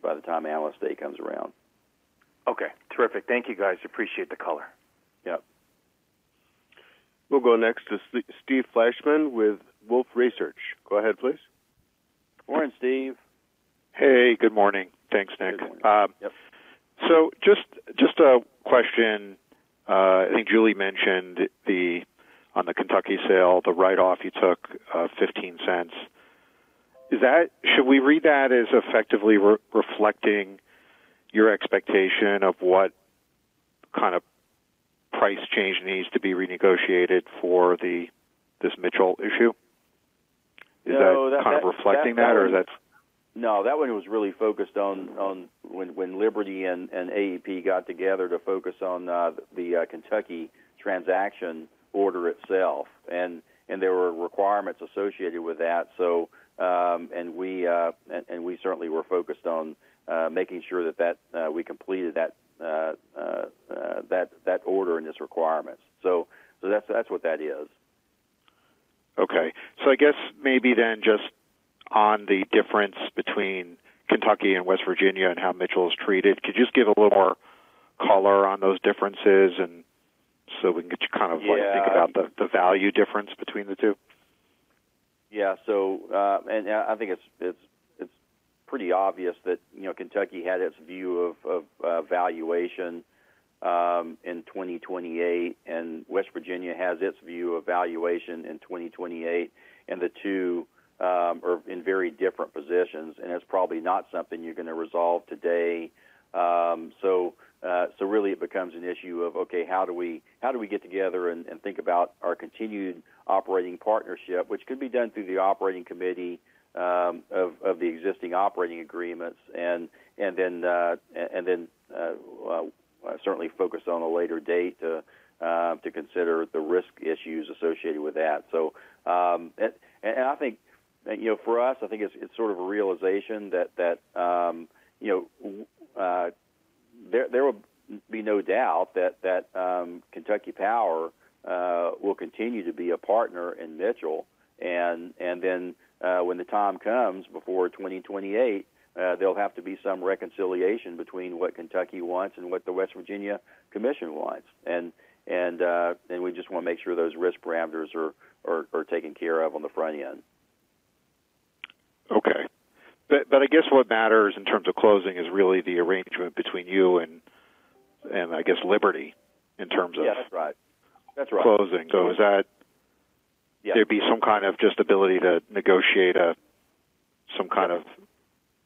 by the time Analyst Day comes around. Okay. Terrific. Thank you, guys. Appreciate the color. Yep. We'll go next to Steve Fleishman with Wolfe Research. Go ahead, please. Morning, Steve. Hey, good morning. Thanks, Nick. Good morning. Yep. Just a question. I think Julie mentioned the on the Kentucky sale, the write-off you took of $0.15. Is that should we read that as effectively reflecting your expectation of what kind of price change needs to be renegotiated for the this Mitchell issue? Is that- No, that. -kind of reflecting that or is that? No, that one was really focused on when Liberty and AEP got together to focus on the Kentucky transaction order itself. There were requirements associated with that. We certainly were focused on making sure that we completed that order and its requirements. That's what that is. Okay. I guess maybe then just on the difference between Kentucky and West Virginia and how Mitchell is treated, could you just give a little more color on those differences and so we can get you kind of like. Yeah Think about the value difference between the two? Yeah, I think it's pretty obvious that, you know, Kentucky had its view of valuation in 2028, and West Virginia has its view of valuation in 2028, and the two are in very different positions, and it's probably not something you're gonna resolve today. Really it becomes an issue of, okay, how do we get together and think about our continued operating partnership, which could be done through the operating committee of the existing operating agreements. Then certainly focus on a later date to consider the risk issues associated with that. I think you know, for us, I think it's sort of a realization that you know, there will be no doubt that Kentucky Power will continue to be a partner in Mitchell. We just wanna make sure those risk parameters are taken care of on the front end. I guess what matters in terms of closing is really the arrangement between you and, I guess, Liberty in terms of- Yeah, that's right. That's right. -closing. Is that Yeah. There'd be some kind of,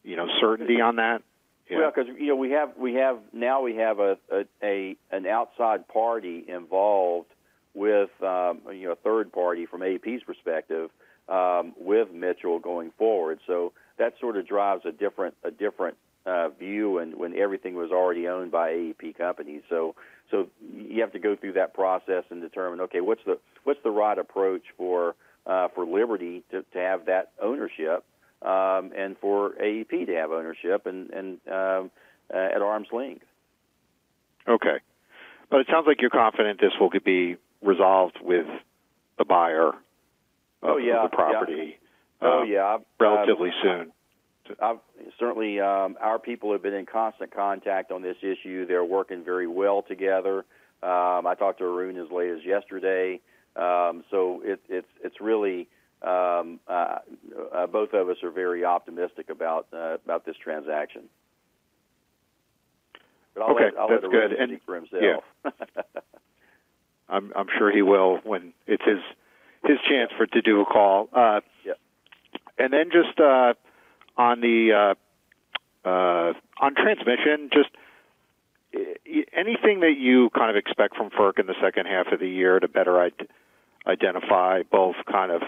you know, certainty on that? Yeah. 'Cause, you know, we have now an outside party involved with, you know, a third party from AEP's perspective, with Mitchell going forward. That sort of drives a different view when everything was already owned by AEP companies. You have to go through that process and determine, okay, what's the right approach for Liberty to have that ownership, and for AEP to have ownership and at arm's length. Okay. It sounds like you're confident this will be resolved with the buyer- Oh, yeah. -of the property. Oh, yeah. Relatively soon. I've certainly our people have been in constant contact on this issue. They're working very well together. I talked to Arun as late as yesterday. It's really both of us are very optimistic about this transaction. Okay. That's good. I'll let Arun speak for himself. Yeah. I'm sure he will when it's his chance for to do a call. Yeah. Just on transmission, anything that you kind of expect from FERC in the second half of the year to better identify both kind of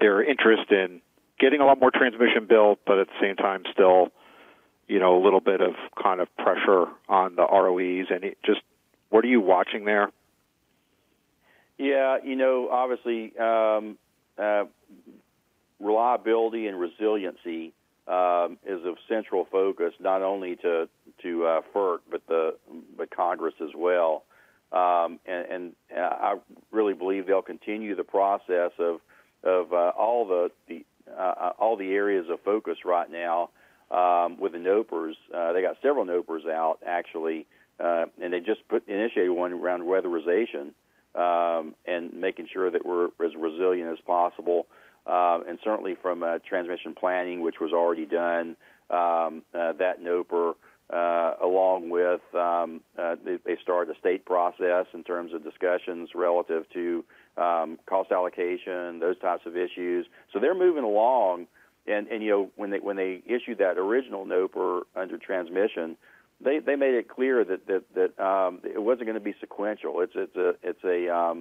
their interest in getting a lot more transmission built, but at the same time still, you know, a little bit of kind of pressure on the ROEs? Just what are you watching there? Yeah. You know, obviously, reliability and resiliency is of central focus not only to FERC, but Congress as well. I really believe they'll continue the process of all the areas of focus right now with the NOPRs. They got several NOPRs out actually, and they just initiated one around weatherization and making sure that we're as resilient as possible. Certainly from a transmission planning, which was already done, that NOPR along with they started a state process in terms of discussions relative to cost allocation, those types of issues. They're moving along. You know, when they issued that original NOPR under transmission, they made it clear that it wasn't gonna be sequential. It's a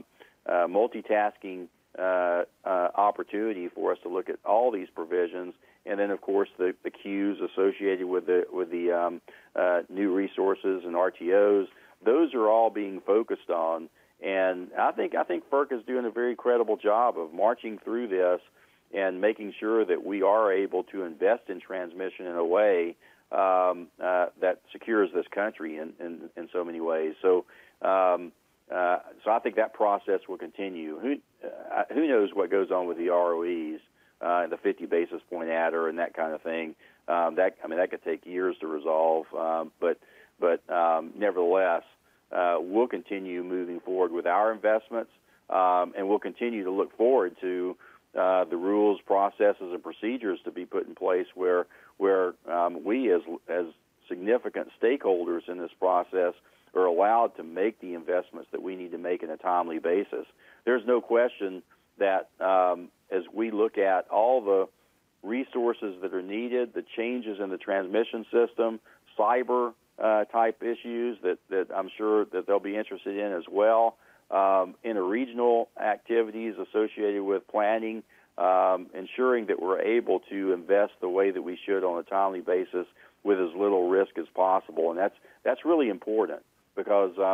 multitasking opportunity for us to look at all these provisions. Of course, the queues associated with the new resources and RTOs. Those are all being focused on. I think FERC is doing a very credible job of marching through this and making sure that we are able to invest in transmission in a way that secures this country in so many ways. I think that process will continue. Who knows what goes on with the ROEs, the 50 basis point adder and that kind of thing. I mean, that could take years to resolve. Nevertheless, we'll continue moving forward with our investments, and we'll continue to look forward to the rules, processes, and procedures to be put in place where we as significant stakeholders in this process are allowed to make the investments that we need to make in a timely basis. There's no question that as we look at all the resources that are needed, the changes in the transmission system, cyber type issues that I'm sure that they'll be interested in as well, interregional activities associated with planning, ensuring that we're able to invest the way that we should on a timely basis with as little risk as possible. That's really important because there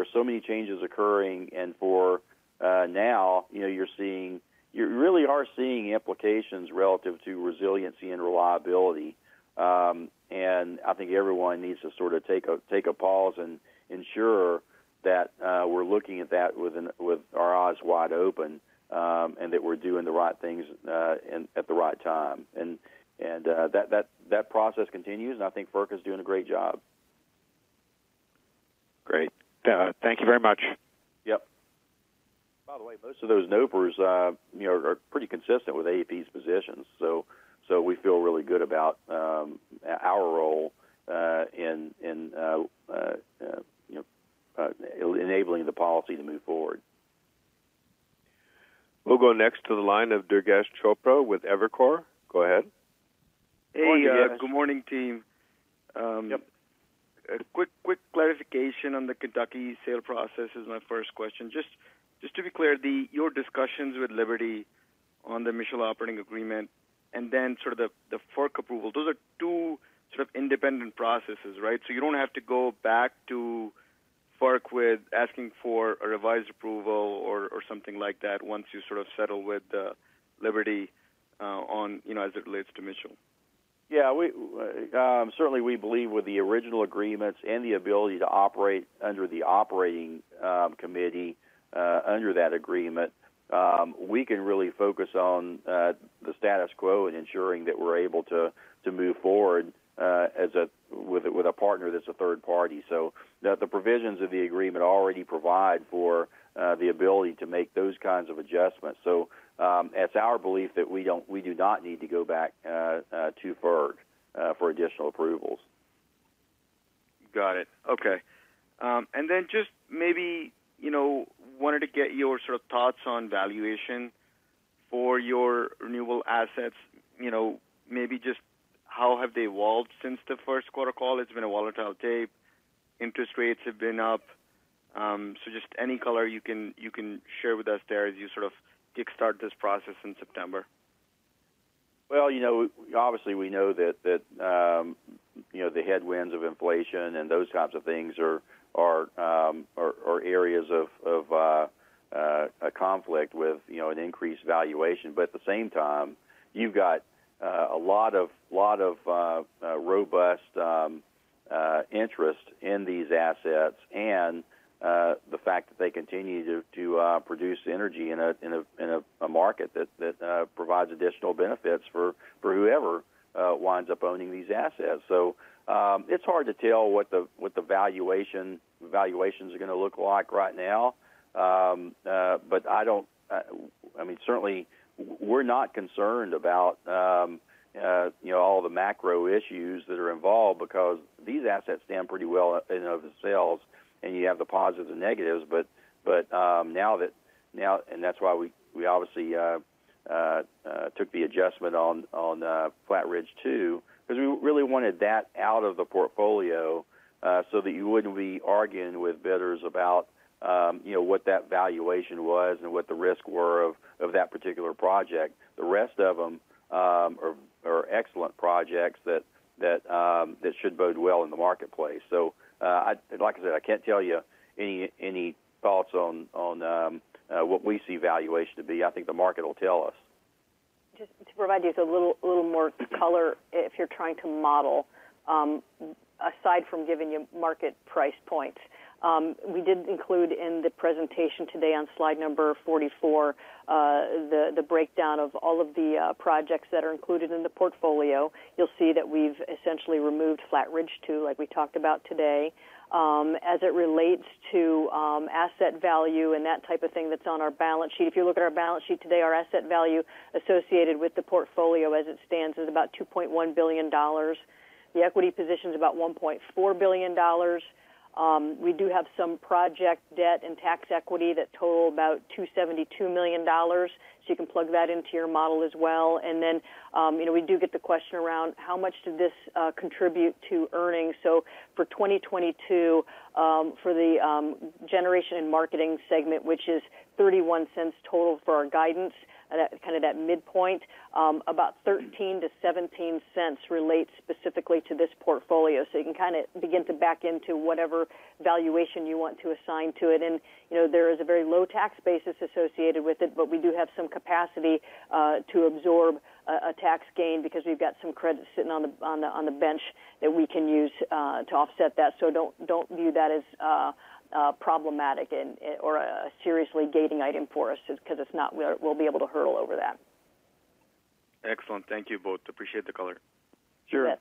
are so many changes occurring. For now, you know, you're seeing you really are seeing implications relative to resiliency and reliability. I think everyone needs to sort of take a pause and ensure that we're looking at that with our eyes wide open, and that we're doing the right things and at the right time. That process continues, and I think FERC is doing a great job. Great. Thank you very much. Yep. By the way, most of those NOPRs, you know, are pretty consistent with AEP's positions. We feel really good about our role, you know, in enabling the policy to move forward. We'll go next to the line of Durgesh Chopra with Evercore. Go ahead. Morning, Durgesh. Hey. Good morning, team. Yep. A quick clarification on the Kentucky sale process is my first question. Just to be clear, your discussions with Liberty on the Mitchell operating agreement and then sort of the FERC approval, those are two sort of independent processes, right? You don't have to go back to FERC with asking for a revised approval or something like that once you sort of settle with Liberty on, you know, as it relates to Mitchell. Yeah, we certainly believe with the original agreements and the ability to operate under the operating committee under that agreement, we can really focus on the status quo and ensuring that we're able to move forward with a partner that's a third party. The provisions of the agreement already provide for the ability to make those kinds of adjustments. It's our belief that we do not need to go back to FERC for additional approvals. Got it. Okay. Just maybe, you know, wanted to get your sort of thoughts on valuation for your renewable assets. You know, maybe just how have they evolved since the first quarter call? It's been a volatile tape. Interest rates have been up. Just any color you can share with us there as you sort of kickstart this process in September. Well, you know, obviously we know that you know, the headwinds of inflation and those types of things are areas of a conflict with you know, an increased valuation. At the same time, you've got a lot of robust interest in these assets and the fact that they continue to produce energy in a market that provides additional benefits for whoever winds up owning these assets. It's hard to tell what the valuations are gonna look like right now. I mean, certainly we're not concerned about, you know, all the macro issues that are involved because these assets stand pretty well in and of themselves, and you have the positives and negatives. Now that's why we obviously took the adjustment on Flat Ridge 2, 'cause we really wanted that out of the portfolio, so that you wouldn't be arguing with bidders about, you know, what that valuation was and what the risks were of that particular project. The rest of them are excellent projects that should bode well in the marketplace. Like I said, I can't tell you any thoughts on what we see valuation to be. I think the market will tell us. Just to provide you with a little more color if you're trying to model, aside from giving you market price points. We did include in the presentation today on slide number 44, the breakdown of all of the projects that are included in the portfolio. You'll see that we've essentially removed Flat Ridge 2, like we talked about today. As it relates to asset value and that type of thing that's on our balance sheet. If you look at our balance sheet today, our asset value associated with the portfolio as it stands is about $2.1 billion. The equity position is about $1.4 billion. We do have some project debt and tax equity that total about $272 million, so you can plug that into your model as well. You know, we do get the question around how much did this contribute to earnings. For 2022, for the generation and marketing segment, which is $0.31 total for our guidance, that midpoint, about $0.13-$0.17 relates specifically to this portfolio. You can kind of begin to back into whatever valuation you want to assign to it. You know, there is a very low tax basis associated with it, but we do have some capacity to absorb a tax gain because we've got some credit sitting on the bench that we can use to offset that. Don't view that as problematic or a seriously gating item for us just 'cause it's not. We'll be able to hurdle over that. Excellent. Thank you both. Appreciate the color. Sure. You bet.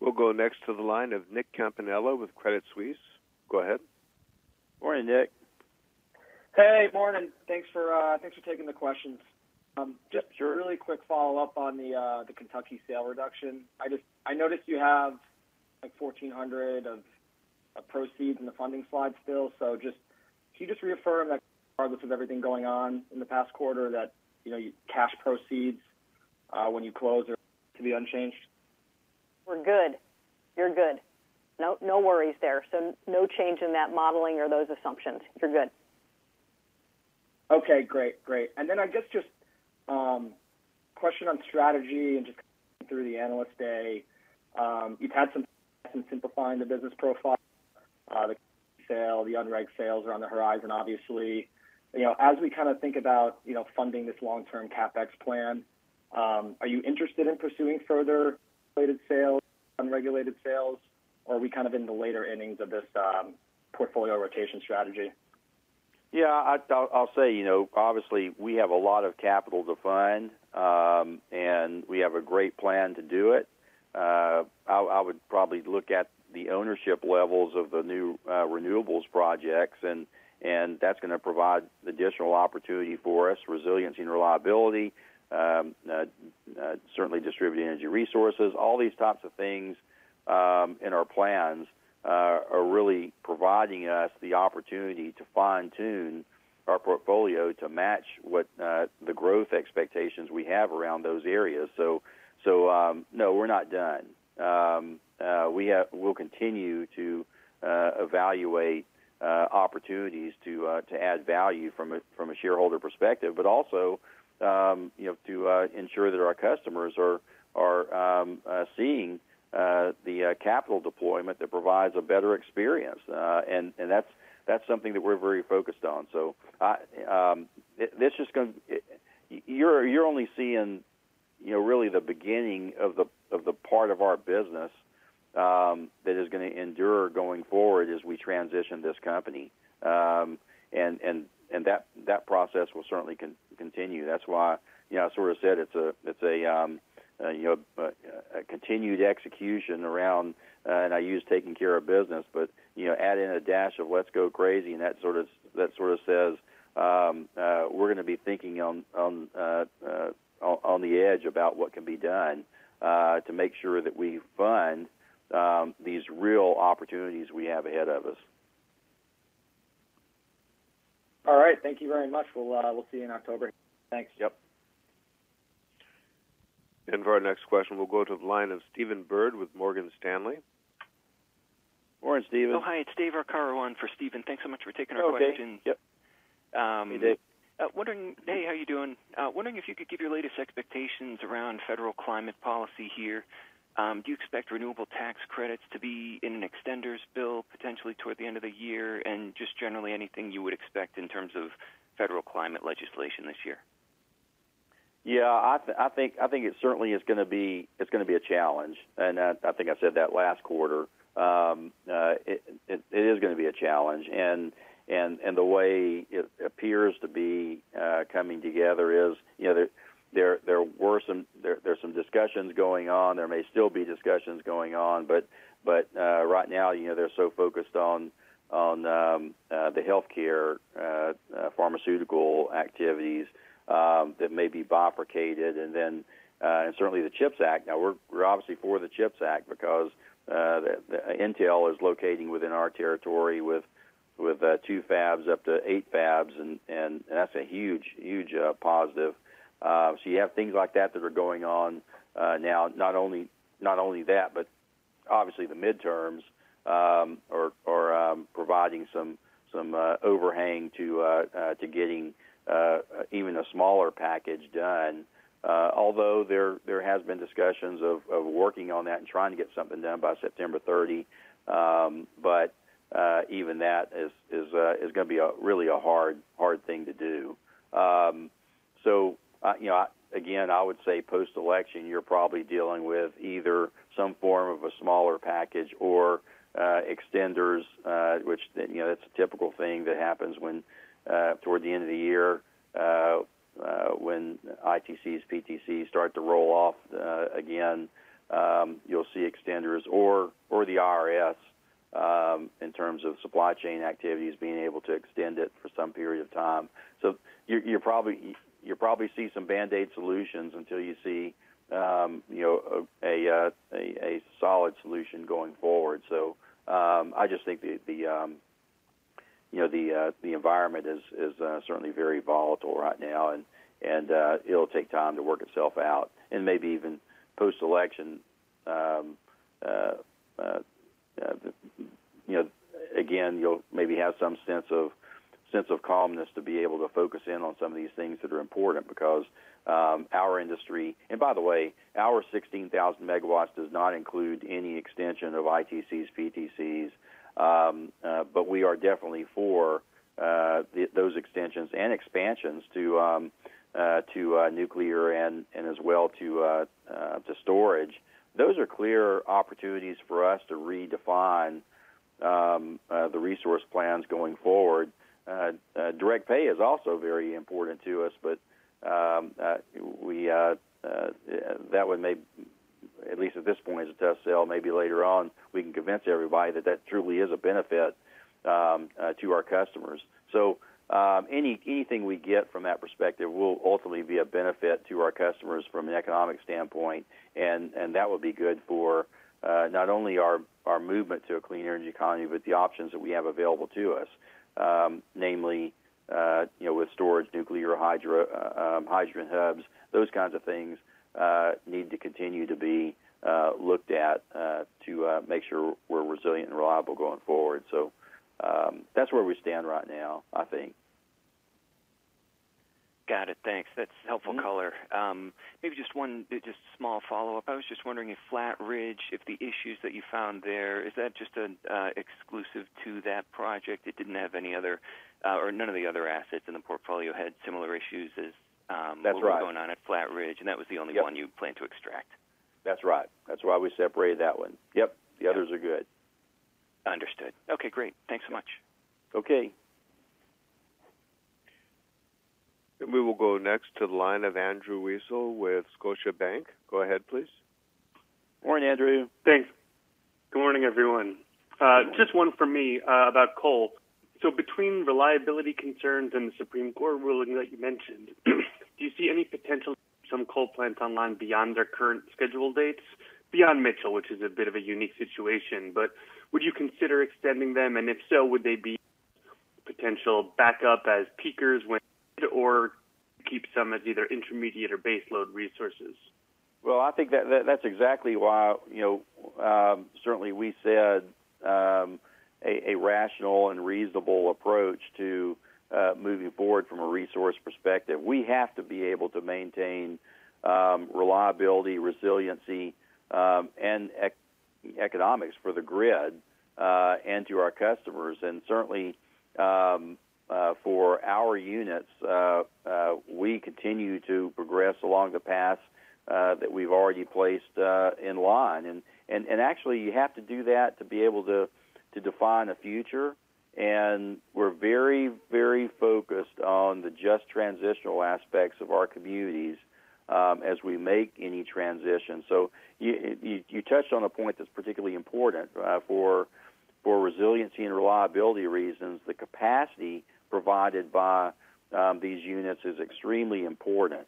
We'll go next to the line of Nick Campanella with Credit Suisse. Go ahead. Morning, Nick. Hey, morning. Thanks for taking the questions. Sure. Just a really quick follow-up on the Kentucky sale reduction. I noticed you have, like, $1,400 of proceeds in the funding slide still. Can you just reaffirm that regardless of everything going on in the past quarter, that, you know, your cash proceeds when you close are to be unchanged? We're good. You're good. No, no worries there. No change in that modeling or those assumptions. You're good. Okay, great. Great. I guess just, question on strategy and just through the Analyst Day. You've had some success in simplifying the business profile. The sale, the unreg sales are on the horizon, obviously. You know, as we kind of think about, you know, funding this long-term CapEx plan, are you interested in pursuing further related sales, unregulated sales? Or are we kind of in the later innings of this, portfolio rotation strategy? I'll say, you know, obviously we have a lot of capital to fund, and we have a great plan to do it. I would probably look at the ownership levels of the new renewables projects, and that's gonna provide additional opportunity for us, resiliency and reliability. Certainly distributed energy resources. All these types of things in our plans are really providing us the opportunity to fine-tune our portfolio to match what the growth expectations we have around those areas. No, we're not done. We'll continue to evaluate opportunities to add value from a shareholder perspective, but also, you know, to ensure that our customers are seeing the capital deployment that provides a better experience. That's something that we're very focused on. You're only seeing, you know, really the beginning of the part of our business that is gonna endure going forward as we transition this company. That process will certainly continue. That's why, you know, I sort of said it's a continued execution around, and I use Takin' Care of Business, but, you know, add in a dash of Let's Go Crazy, and that sort of says we're gonna be thinking on the edge about what can be done to make sure that we fund these real opportunities we have ahead of us. All right. Thank you very much. We'll see you in October. Thanks. Yep. For our next question, we'll go to the line of Stephen Byrd with Morgan Stanley. Morning, Steven. Oh, hi. It's David Arcaro on for Stephen. Thanks so much for taking our question. Oh, okay. Yep. Um- Hey David. Hey, how are you doing? Wondering if you could give your latest expectations around federal climate policy here. Do you expect renewable tax credits to be in an extenders bill potentially toward the end of the year? Just generally anything you would expect in terms of federal climate legislation this year. Yeah. I think it certainly is gonna be a challenge. I think I said that last quarter. It is gonna be a challenge. The way it appears to be coming together is, you know, there were some discussions going on. There may still be discussions going on, but right now, you know, they're so focused on the healthcare pharmaceutical activities that may be bifurcated. Certainly the CHIPS Act. Now we're obviously for the CHIPS Act because the Intel is locating within our territory with two fabs up to eight fabs. That's a huge positive. So you have things like that that are going on. Now, not only that but obviously the midterms are providing some overhang to getting even a smaller package done. Although there has been discussions of working on that and trying to get something done by September 30. Even that is gonna be a really hard thing to do. You know, again, I would say post-election, you're probably dealing with either some form of a smaller package or extenders, which, you know, that's a typical thing that happens toward the end of the year when ITCs, PTCs start to roll off. Again, you'll see extenders or the IRS in terms of supply chain activities, being able to extend it for some period of time. You'll probably see some band-aid solutions until you see you know a solid solution going forward. I just think the environment is certainly very volatile right now. It'll take time to work itself out. Maybe even post-election, you know again you'll maybe have some sense of calmness to be able to focus in on some of these things that are important because our industry. By the way, our 16,000 MW does not include any extension of ITCs, PTCs. But we are definitely for those extensions and expansions to nuclear and as well to storage. Those are clear opportunities for us to redefine the resource plans going forward. Direct Pay is also very important to us, but that one may, at least at this point, is a tough sell. Maybe later on, we can convince everybody that that truly is a benefit to our customers. Anything we get from that perspective will ultimately be a benefit to our customers from an economic standpoint. That will be good for not only our movement to a clean energy economy, but the options that we have available to us. Namely, you know, with storage, nuclear, hydro, hydrogen hubs. Those kinds of things need to continue to be looked at to make sure we're resilient and reliable going forward. That's where we stand right now, I think. Got it. Thanks. That's helpful color. Maybe just one, just a small follow-up. I was just wondering if the issues that you found there is that just exclusive to that project? It didn't have any other, or none of the other assets in the portfolio had similar issues as- That's right. What was going on at Flat Ridge, and that was the only one you plan to extract? That's right. That's why we separated that one. Yep. The others are good. Understood. Okay, great. Thanks so much. Okay. We will go next to the line of Andrew Weisel with Scotiabank. Go ahead, please. Morning, Andrew. Thanks. Good morning, everyone. Just one for me, about coal. Between reliability concerns and the Supreme Court ruling that you mentioned, do you see any potential some coal plants online beyond their current scheduled dates? Beyond Mitchell, which is a bit of a unique situation. Would you consider extending them? If so, would they be potential backup as peakers when or keep some as either intermediate or base load resources? Well, I think that's exactly why, you know, certainly we said a rational and reasonable approach to moving forward from a resource perspective. We have to be able to maintain reliability, resiliency, and economics for the grid and to our customers. Certainly for our units, we continue to progress along the path that we've already placed in line. Actually, you have to do that to be able to define a future. We're very, very focused on the just transitional aspects of our communities as we make any transition. You touched on a point that's particularly important for resiliency and reliability reasons. The capacity provided by these units is extremely important.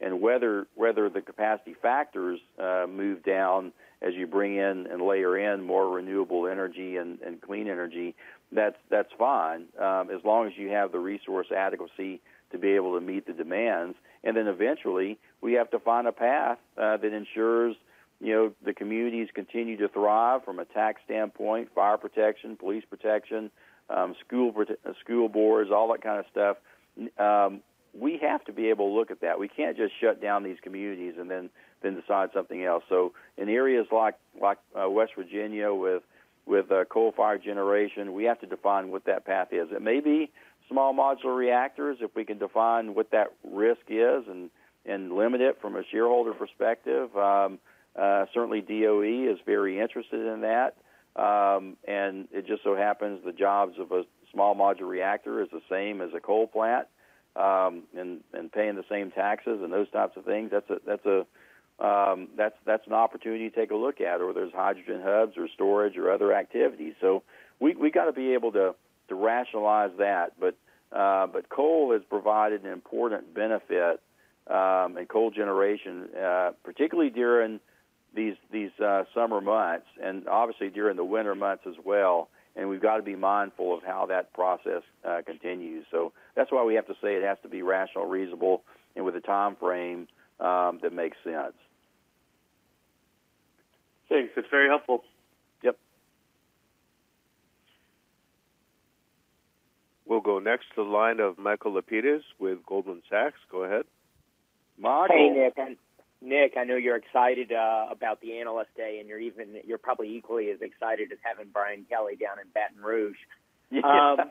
Whether the capacity factors move down as you bring in and layer in more renewable energy and clean energy, that's fine as long as you have the resource adequacy to be able to meet the demands. Eventually, we have to find a path that ensures the communities continue to thrive from a tax standpoint, fire protection, police protection, school boards, all that kind of stuff. We have to be able to look at that. We can't just shut down these communities and then decide something else. In areas like West Virginia with coal-fired generation, we have to define what that path is. It may be small modular reactors if we can define what that risk is and limit it from a shareholder perspective. Certainly, DOE is very interested in that. It just so happens the jobs of a small modular reactor is the same as a coal plant and paying the same taxes and those types of things. That's an opportunity to take a look at, whether it's hydrogen hubs or storage or other activities. We've got to be able to rationalize that. Coal has provided an important benefit in coal generation, particularly during these summer months and obviously during the winter months as well. We've got to be mindful of how that process continues. That's why we have to say it has to be rational, reasonable, and with a timeframe that makes sense. Thanks. That's very helpful. Yep. We'll go next to the line of Michael Lapides with Goldman Sachs. Go ahead. Hey, Nick. Nick, I know you're excited about the Analyst Day, and you're probably equally as excited as having Brian Kelly down in Baton Rouge. I'm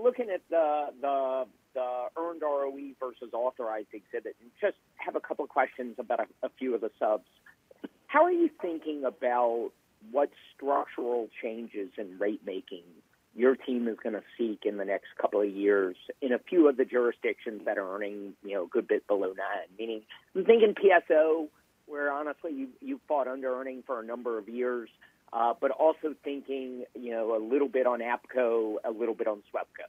looking at the earned ROE versus authorized exhibit and just have a couple of questions about a few of the subs. How are you thinking about what structural changes in rate making your team is going to seek in the next couple of years in a few of the jurisdictions that are earning a good bit below that? Meaning I'm thinking PSO, where honestly you've fought underearning for a number of years, but also thinking a little bit on APCO, a little bit on SWEPCO.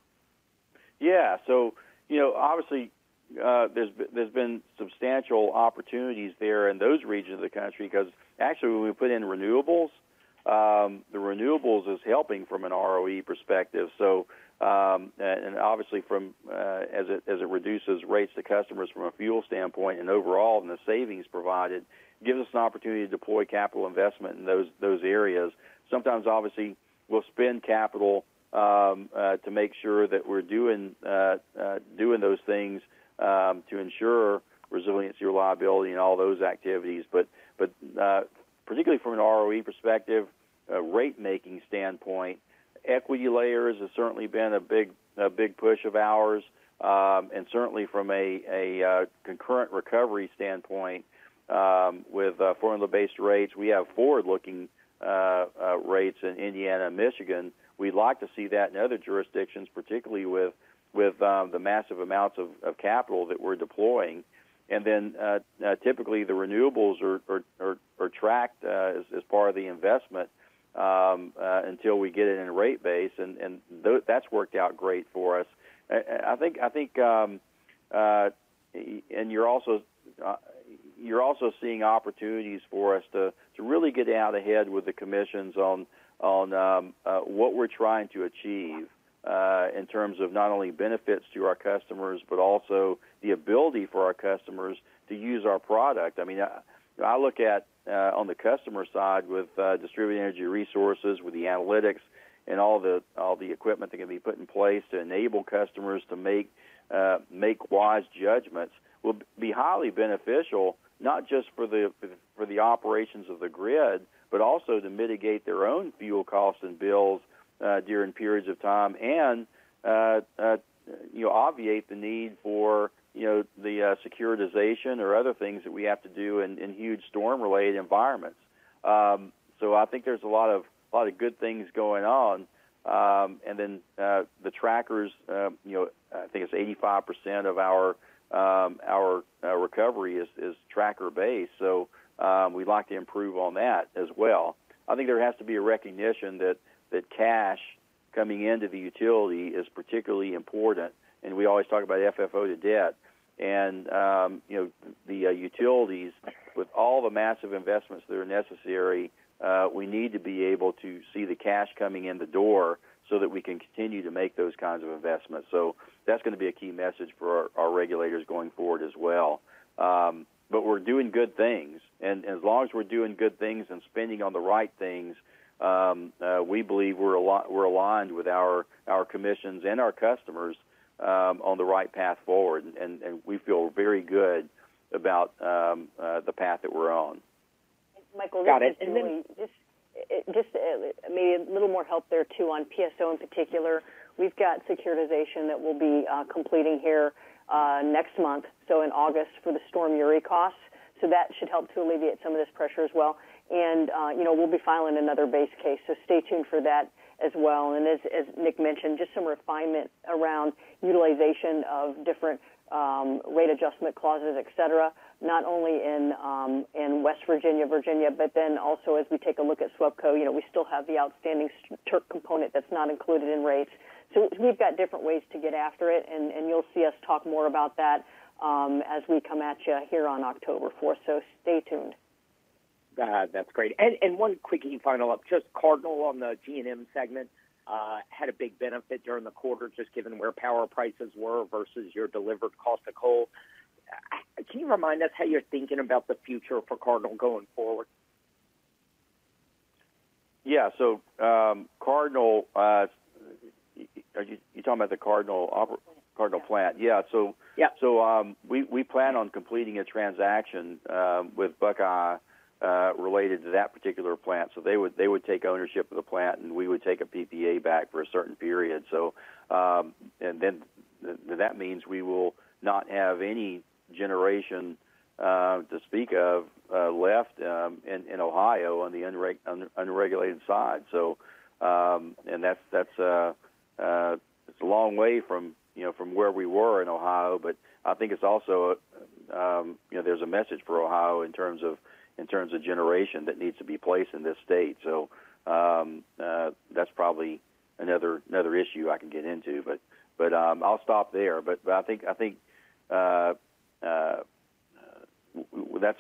Yeah. Obviously there's been substantial opportunities there in those regions of the country because actually when we put in renewables, the renewables is helping from an ROE perspective. Obviously as it reduces rates to customers from a fuel standpoint and overall in the savings provided, gives us an opportunity to deploy capital investment in those areas. Sometimes obviously we'll spend capital to make sure that we're doing those things to ensure resiliency, reliability, and all those activities. Particularly from an ROE perspective, rate making standpoint, equity layers has certainly been a big push of ours. Certainly from a concurrent recovery standpoint with formula-based rates, we have forward-looking rates in Indiana and Michigan. We'd like to see that in other jurisdictions, particularly with the massive amounts of capital that we're deploying. Typically the renewables are tracked as part of the investment until we get it in a rate base. That's worked out great for us. I think, and you're also seeing opportunities for us to really get out ahead with the commissions on what we're trying to achieve in terms of not only benefits to our customers, but also the ability for our customers to use our product. I mean, I look at on the customer side with distributed energy resources, with the analytics and all the equipment that can be put in place to enable customers to make wise judgments will be highly beneficial, not just for the operations of the grid, but also to mitigate their own fuel costs and bills during periods of time and obviate the need for the securitization or other things that we have to do in huge storm-related environments. I think there's a lot of good things going on. Then the trackers, I think it's 85% of our recovery is tracker-based. We'd like to improve on that as well. I think there has to be a recognition that cash coming into the utility is particularly important. We always talk about FFO to debt. The utilities, with all the massive investments that are necessary, we need to be able to see the cash coming in the door so that we can continue to make those kinds of investments. That's going to be a key message for our regulators going forward as well. We're doing good things. As long as we're doing good things and spending on the right things, we believe we're aligned with our commissions and our customers on the right path forward. We feel very good about the path that we're on. Michael, this is Julie. Got it. Just maybe a little more help there, too, on PSO in particular. We've got securitization that we'll be completing here next month, so in August for the Storm Uri costs. That should help to alleviate some of this pressure as well. You know, we'll be filing another base case, so stay tuned for that as well. As Nick mentioned, just some refinement around utilization of different rate adjustment clauses, et cetera, not only in West Virginia, but then also as we take a look at SWEPCO. You know, we still have the outstanding TERP component that's not included in rates. We've got different ways to get after it, and you'll see us talk more about that as we come at you here on October fourth. Stay tuned. That's great. One quick follow-up. Just Cardinal on the G&M segment had a big benefit during the quarter, just given where power prices were versus your delivered cost of coal. Can you remind us how you're thinking about the future for Cardinal going forward? Yeah. Cardinal, are you talking about the Cardinal oper- Cardinal, yeah. Cardinal Plant? Yeah. Yeah We plan on completing a transaction with Buckeye related to that particular plant. They would take ownership of the plant, and we would take a PPA back for a certain period. That means we will not have any generation to speak of left in Ohio on the unregulated side. That's a long way from, you know, from where we were in Ohio. I think it's also, you know, there's a message for Ohio in terms of generation that needs to be placed in this state. That's probably another issue I can get into. I'll stop there. I think that's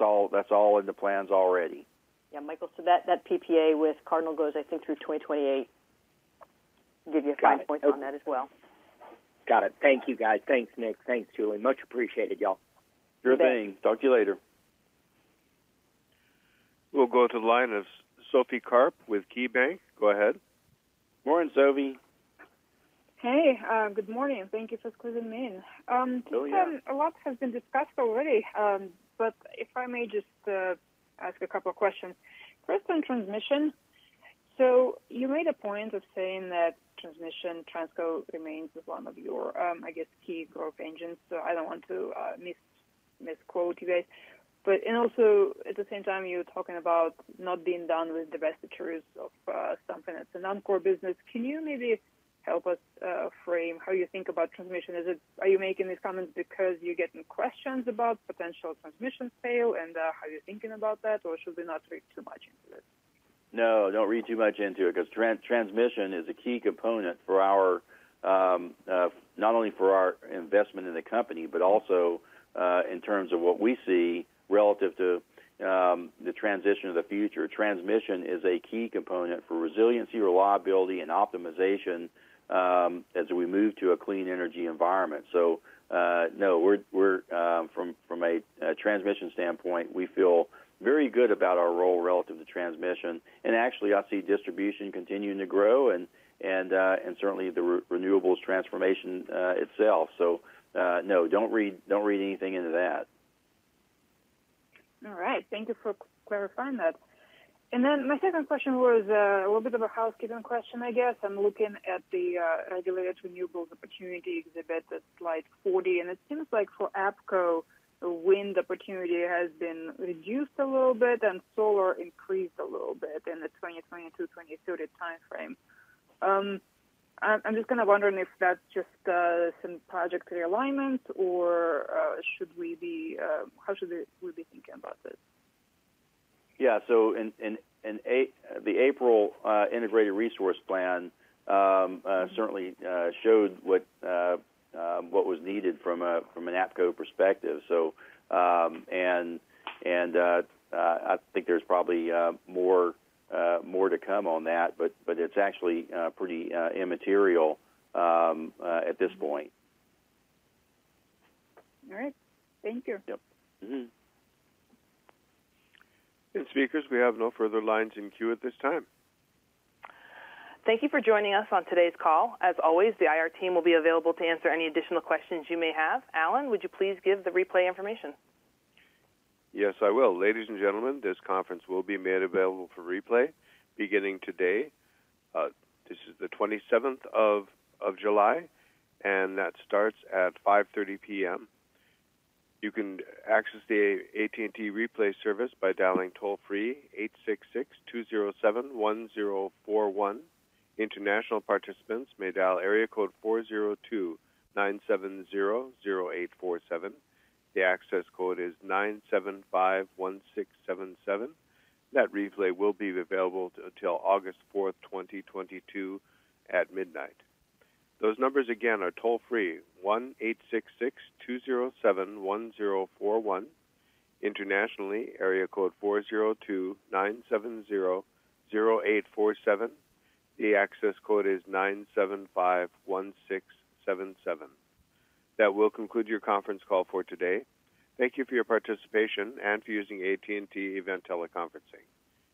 all in the plans already. Yeah, Michael, that PPA with Cardinal goes, I think, through 2028. Got it. Okay Point on that as well. Got it. Thank you, guys. Thanks, Nick. Thanks, Julie. Much appreciated, y'all. Sure thing. Thanks. Talk to you later. We'll go to the line of Sophie Karp with KeyBanc. Go ahead. Morning, Sophie. Hey, good morning. Thank you for squeezing me in. Oh, yeah. It seems a lot has been discussed already. If I may just ask a couple of questions. First, on transmission. You made a point of saying that transmission, Transco remains as one of your, I guess, key growth engines. I don't want to misquote you guys. And also, at the same time, you're talking about not being done with divestitures of something that's a non-core business. Can you maybe help us frame how you think about transmission? Is it? Are you making these comments because you're getting questions about potential transmission sale, and how you're thinking about that, or should we not read too much into it? No, don't read too much into it because transmission is a key component for our, not only for our investment in the company, but also, in terms of what we see relative to, the transition of the future. Transmission is a key component for resiliency, reliability, and optimization, as we move to a clean energy environment. No, we're from a transmission standpoint, we feel very good about our role relative to transmission. Actually, I see distribution continuing to grow and certainly the renewables transformation itself. No, don't read anything into that. All right. Thank you for clarifying that. My second question was a little bit of a housekeeping question, I guess. I'm looking at the regulated renewables opportunity exhibit at slide 40, and it seems like for APCO, wind opportunity has been reduced a little bit and solar increased a little bit in the 2020 to 2030 timeframe. I'm just kind of wondering if that's just some project realignment or how should we be thinking about this? In the April integrated resource plan certainly showed what was needed from an APCO perspective. I think there's probably more to come on that, but it's actually pretty immaterial at this point. All right. Thank you. Yep. Mm-hmm. Speakers, we have no further lines in queue at this time. Thank you for joining us on today's call. As always, the IR team will be available to answer any additional questions you may have. Alan, would you please give the replay information? Yes, I will. Ladies and gentlemen, this conference will be made available for replay beginning today. This is the 27th of July, and that starts at 5:30 P.M. You can access the AT&T replay service by dialing toll-free 866-207-1041. International participants may dial area code 402-970-0847. The access code is 975-1677. That replay will be available until August 4th, 2022 at midnight. Those numbers again are toll-free 1-866-207-1041. Internationally, area code 402-970-0847. The access code is 975-1677. That will conclude your conference call for today. Thank you for your participation and for using AT&T Event Teleconferencing.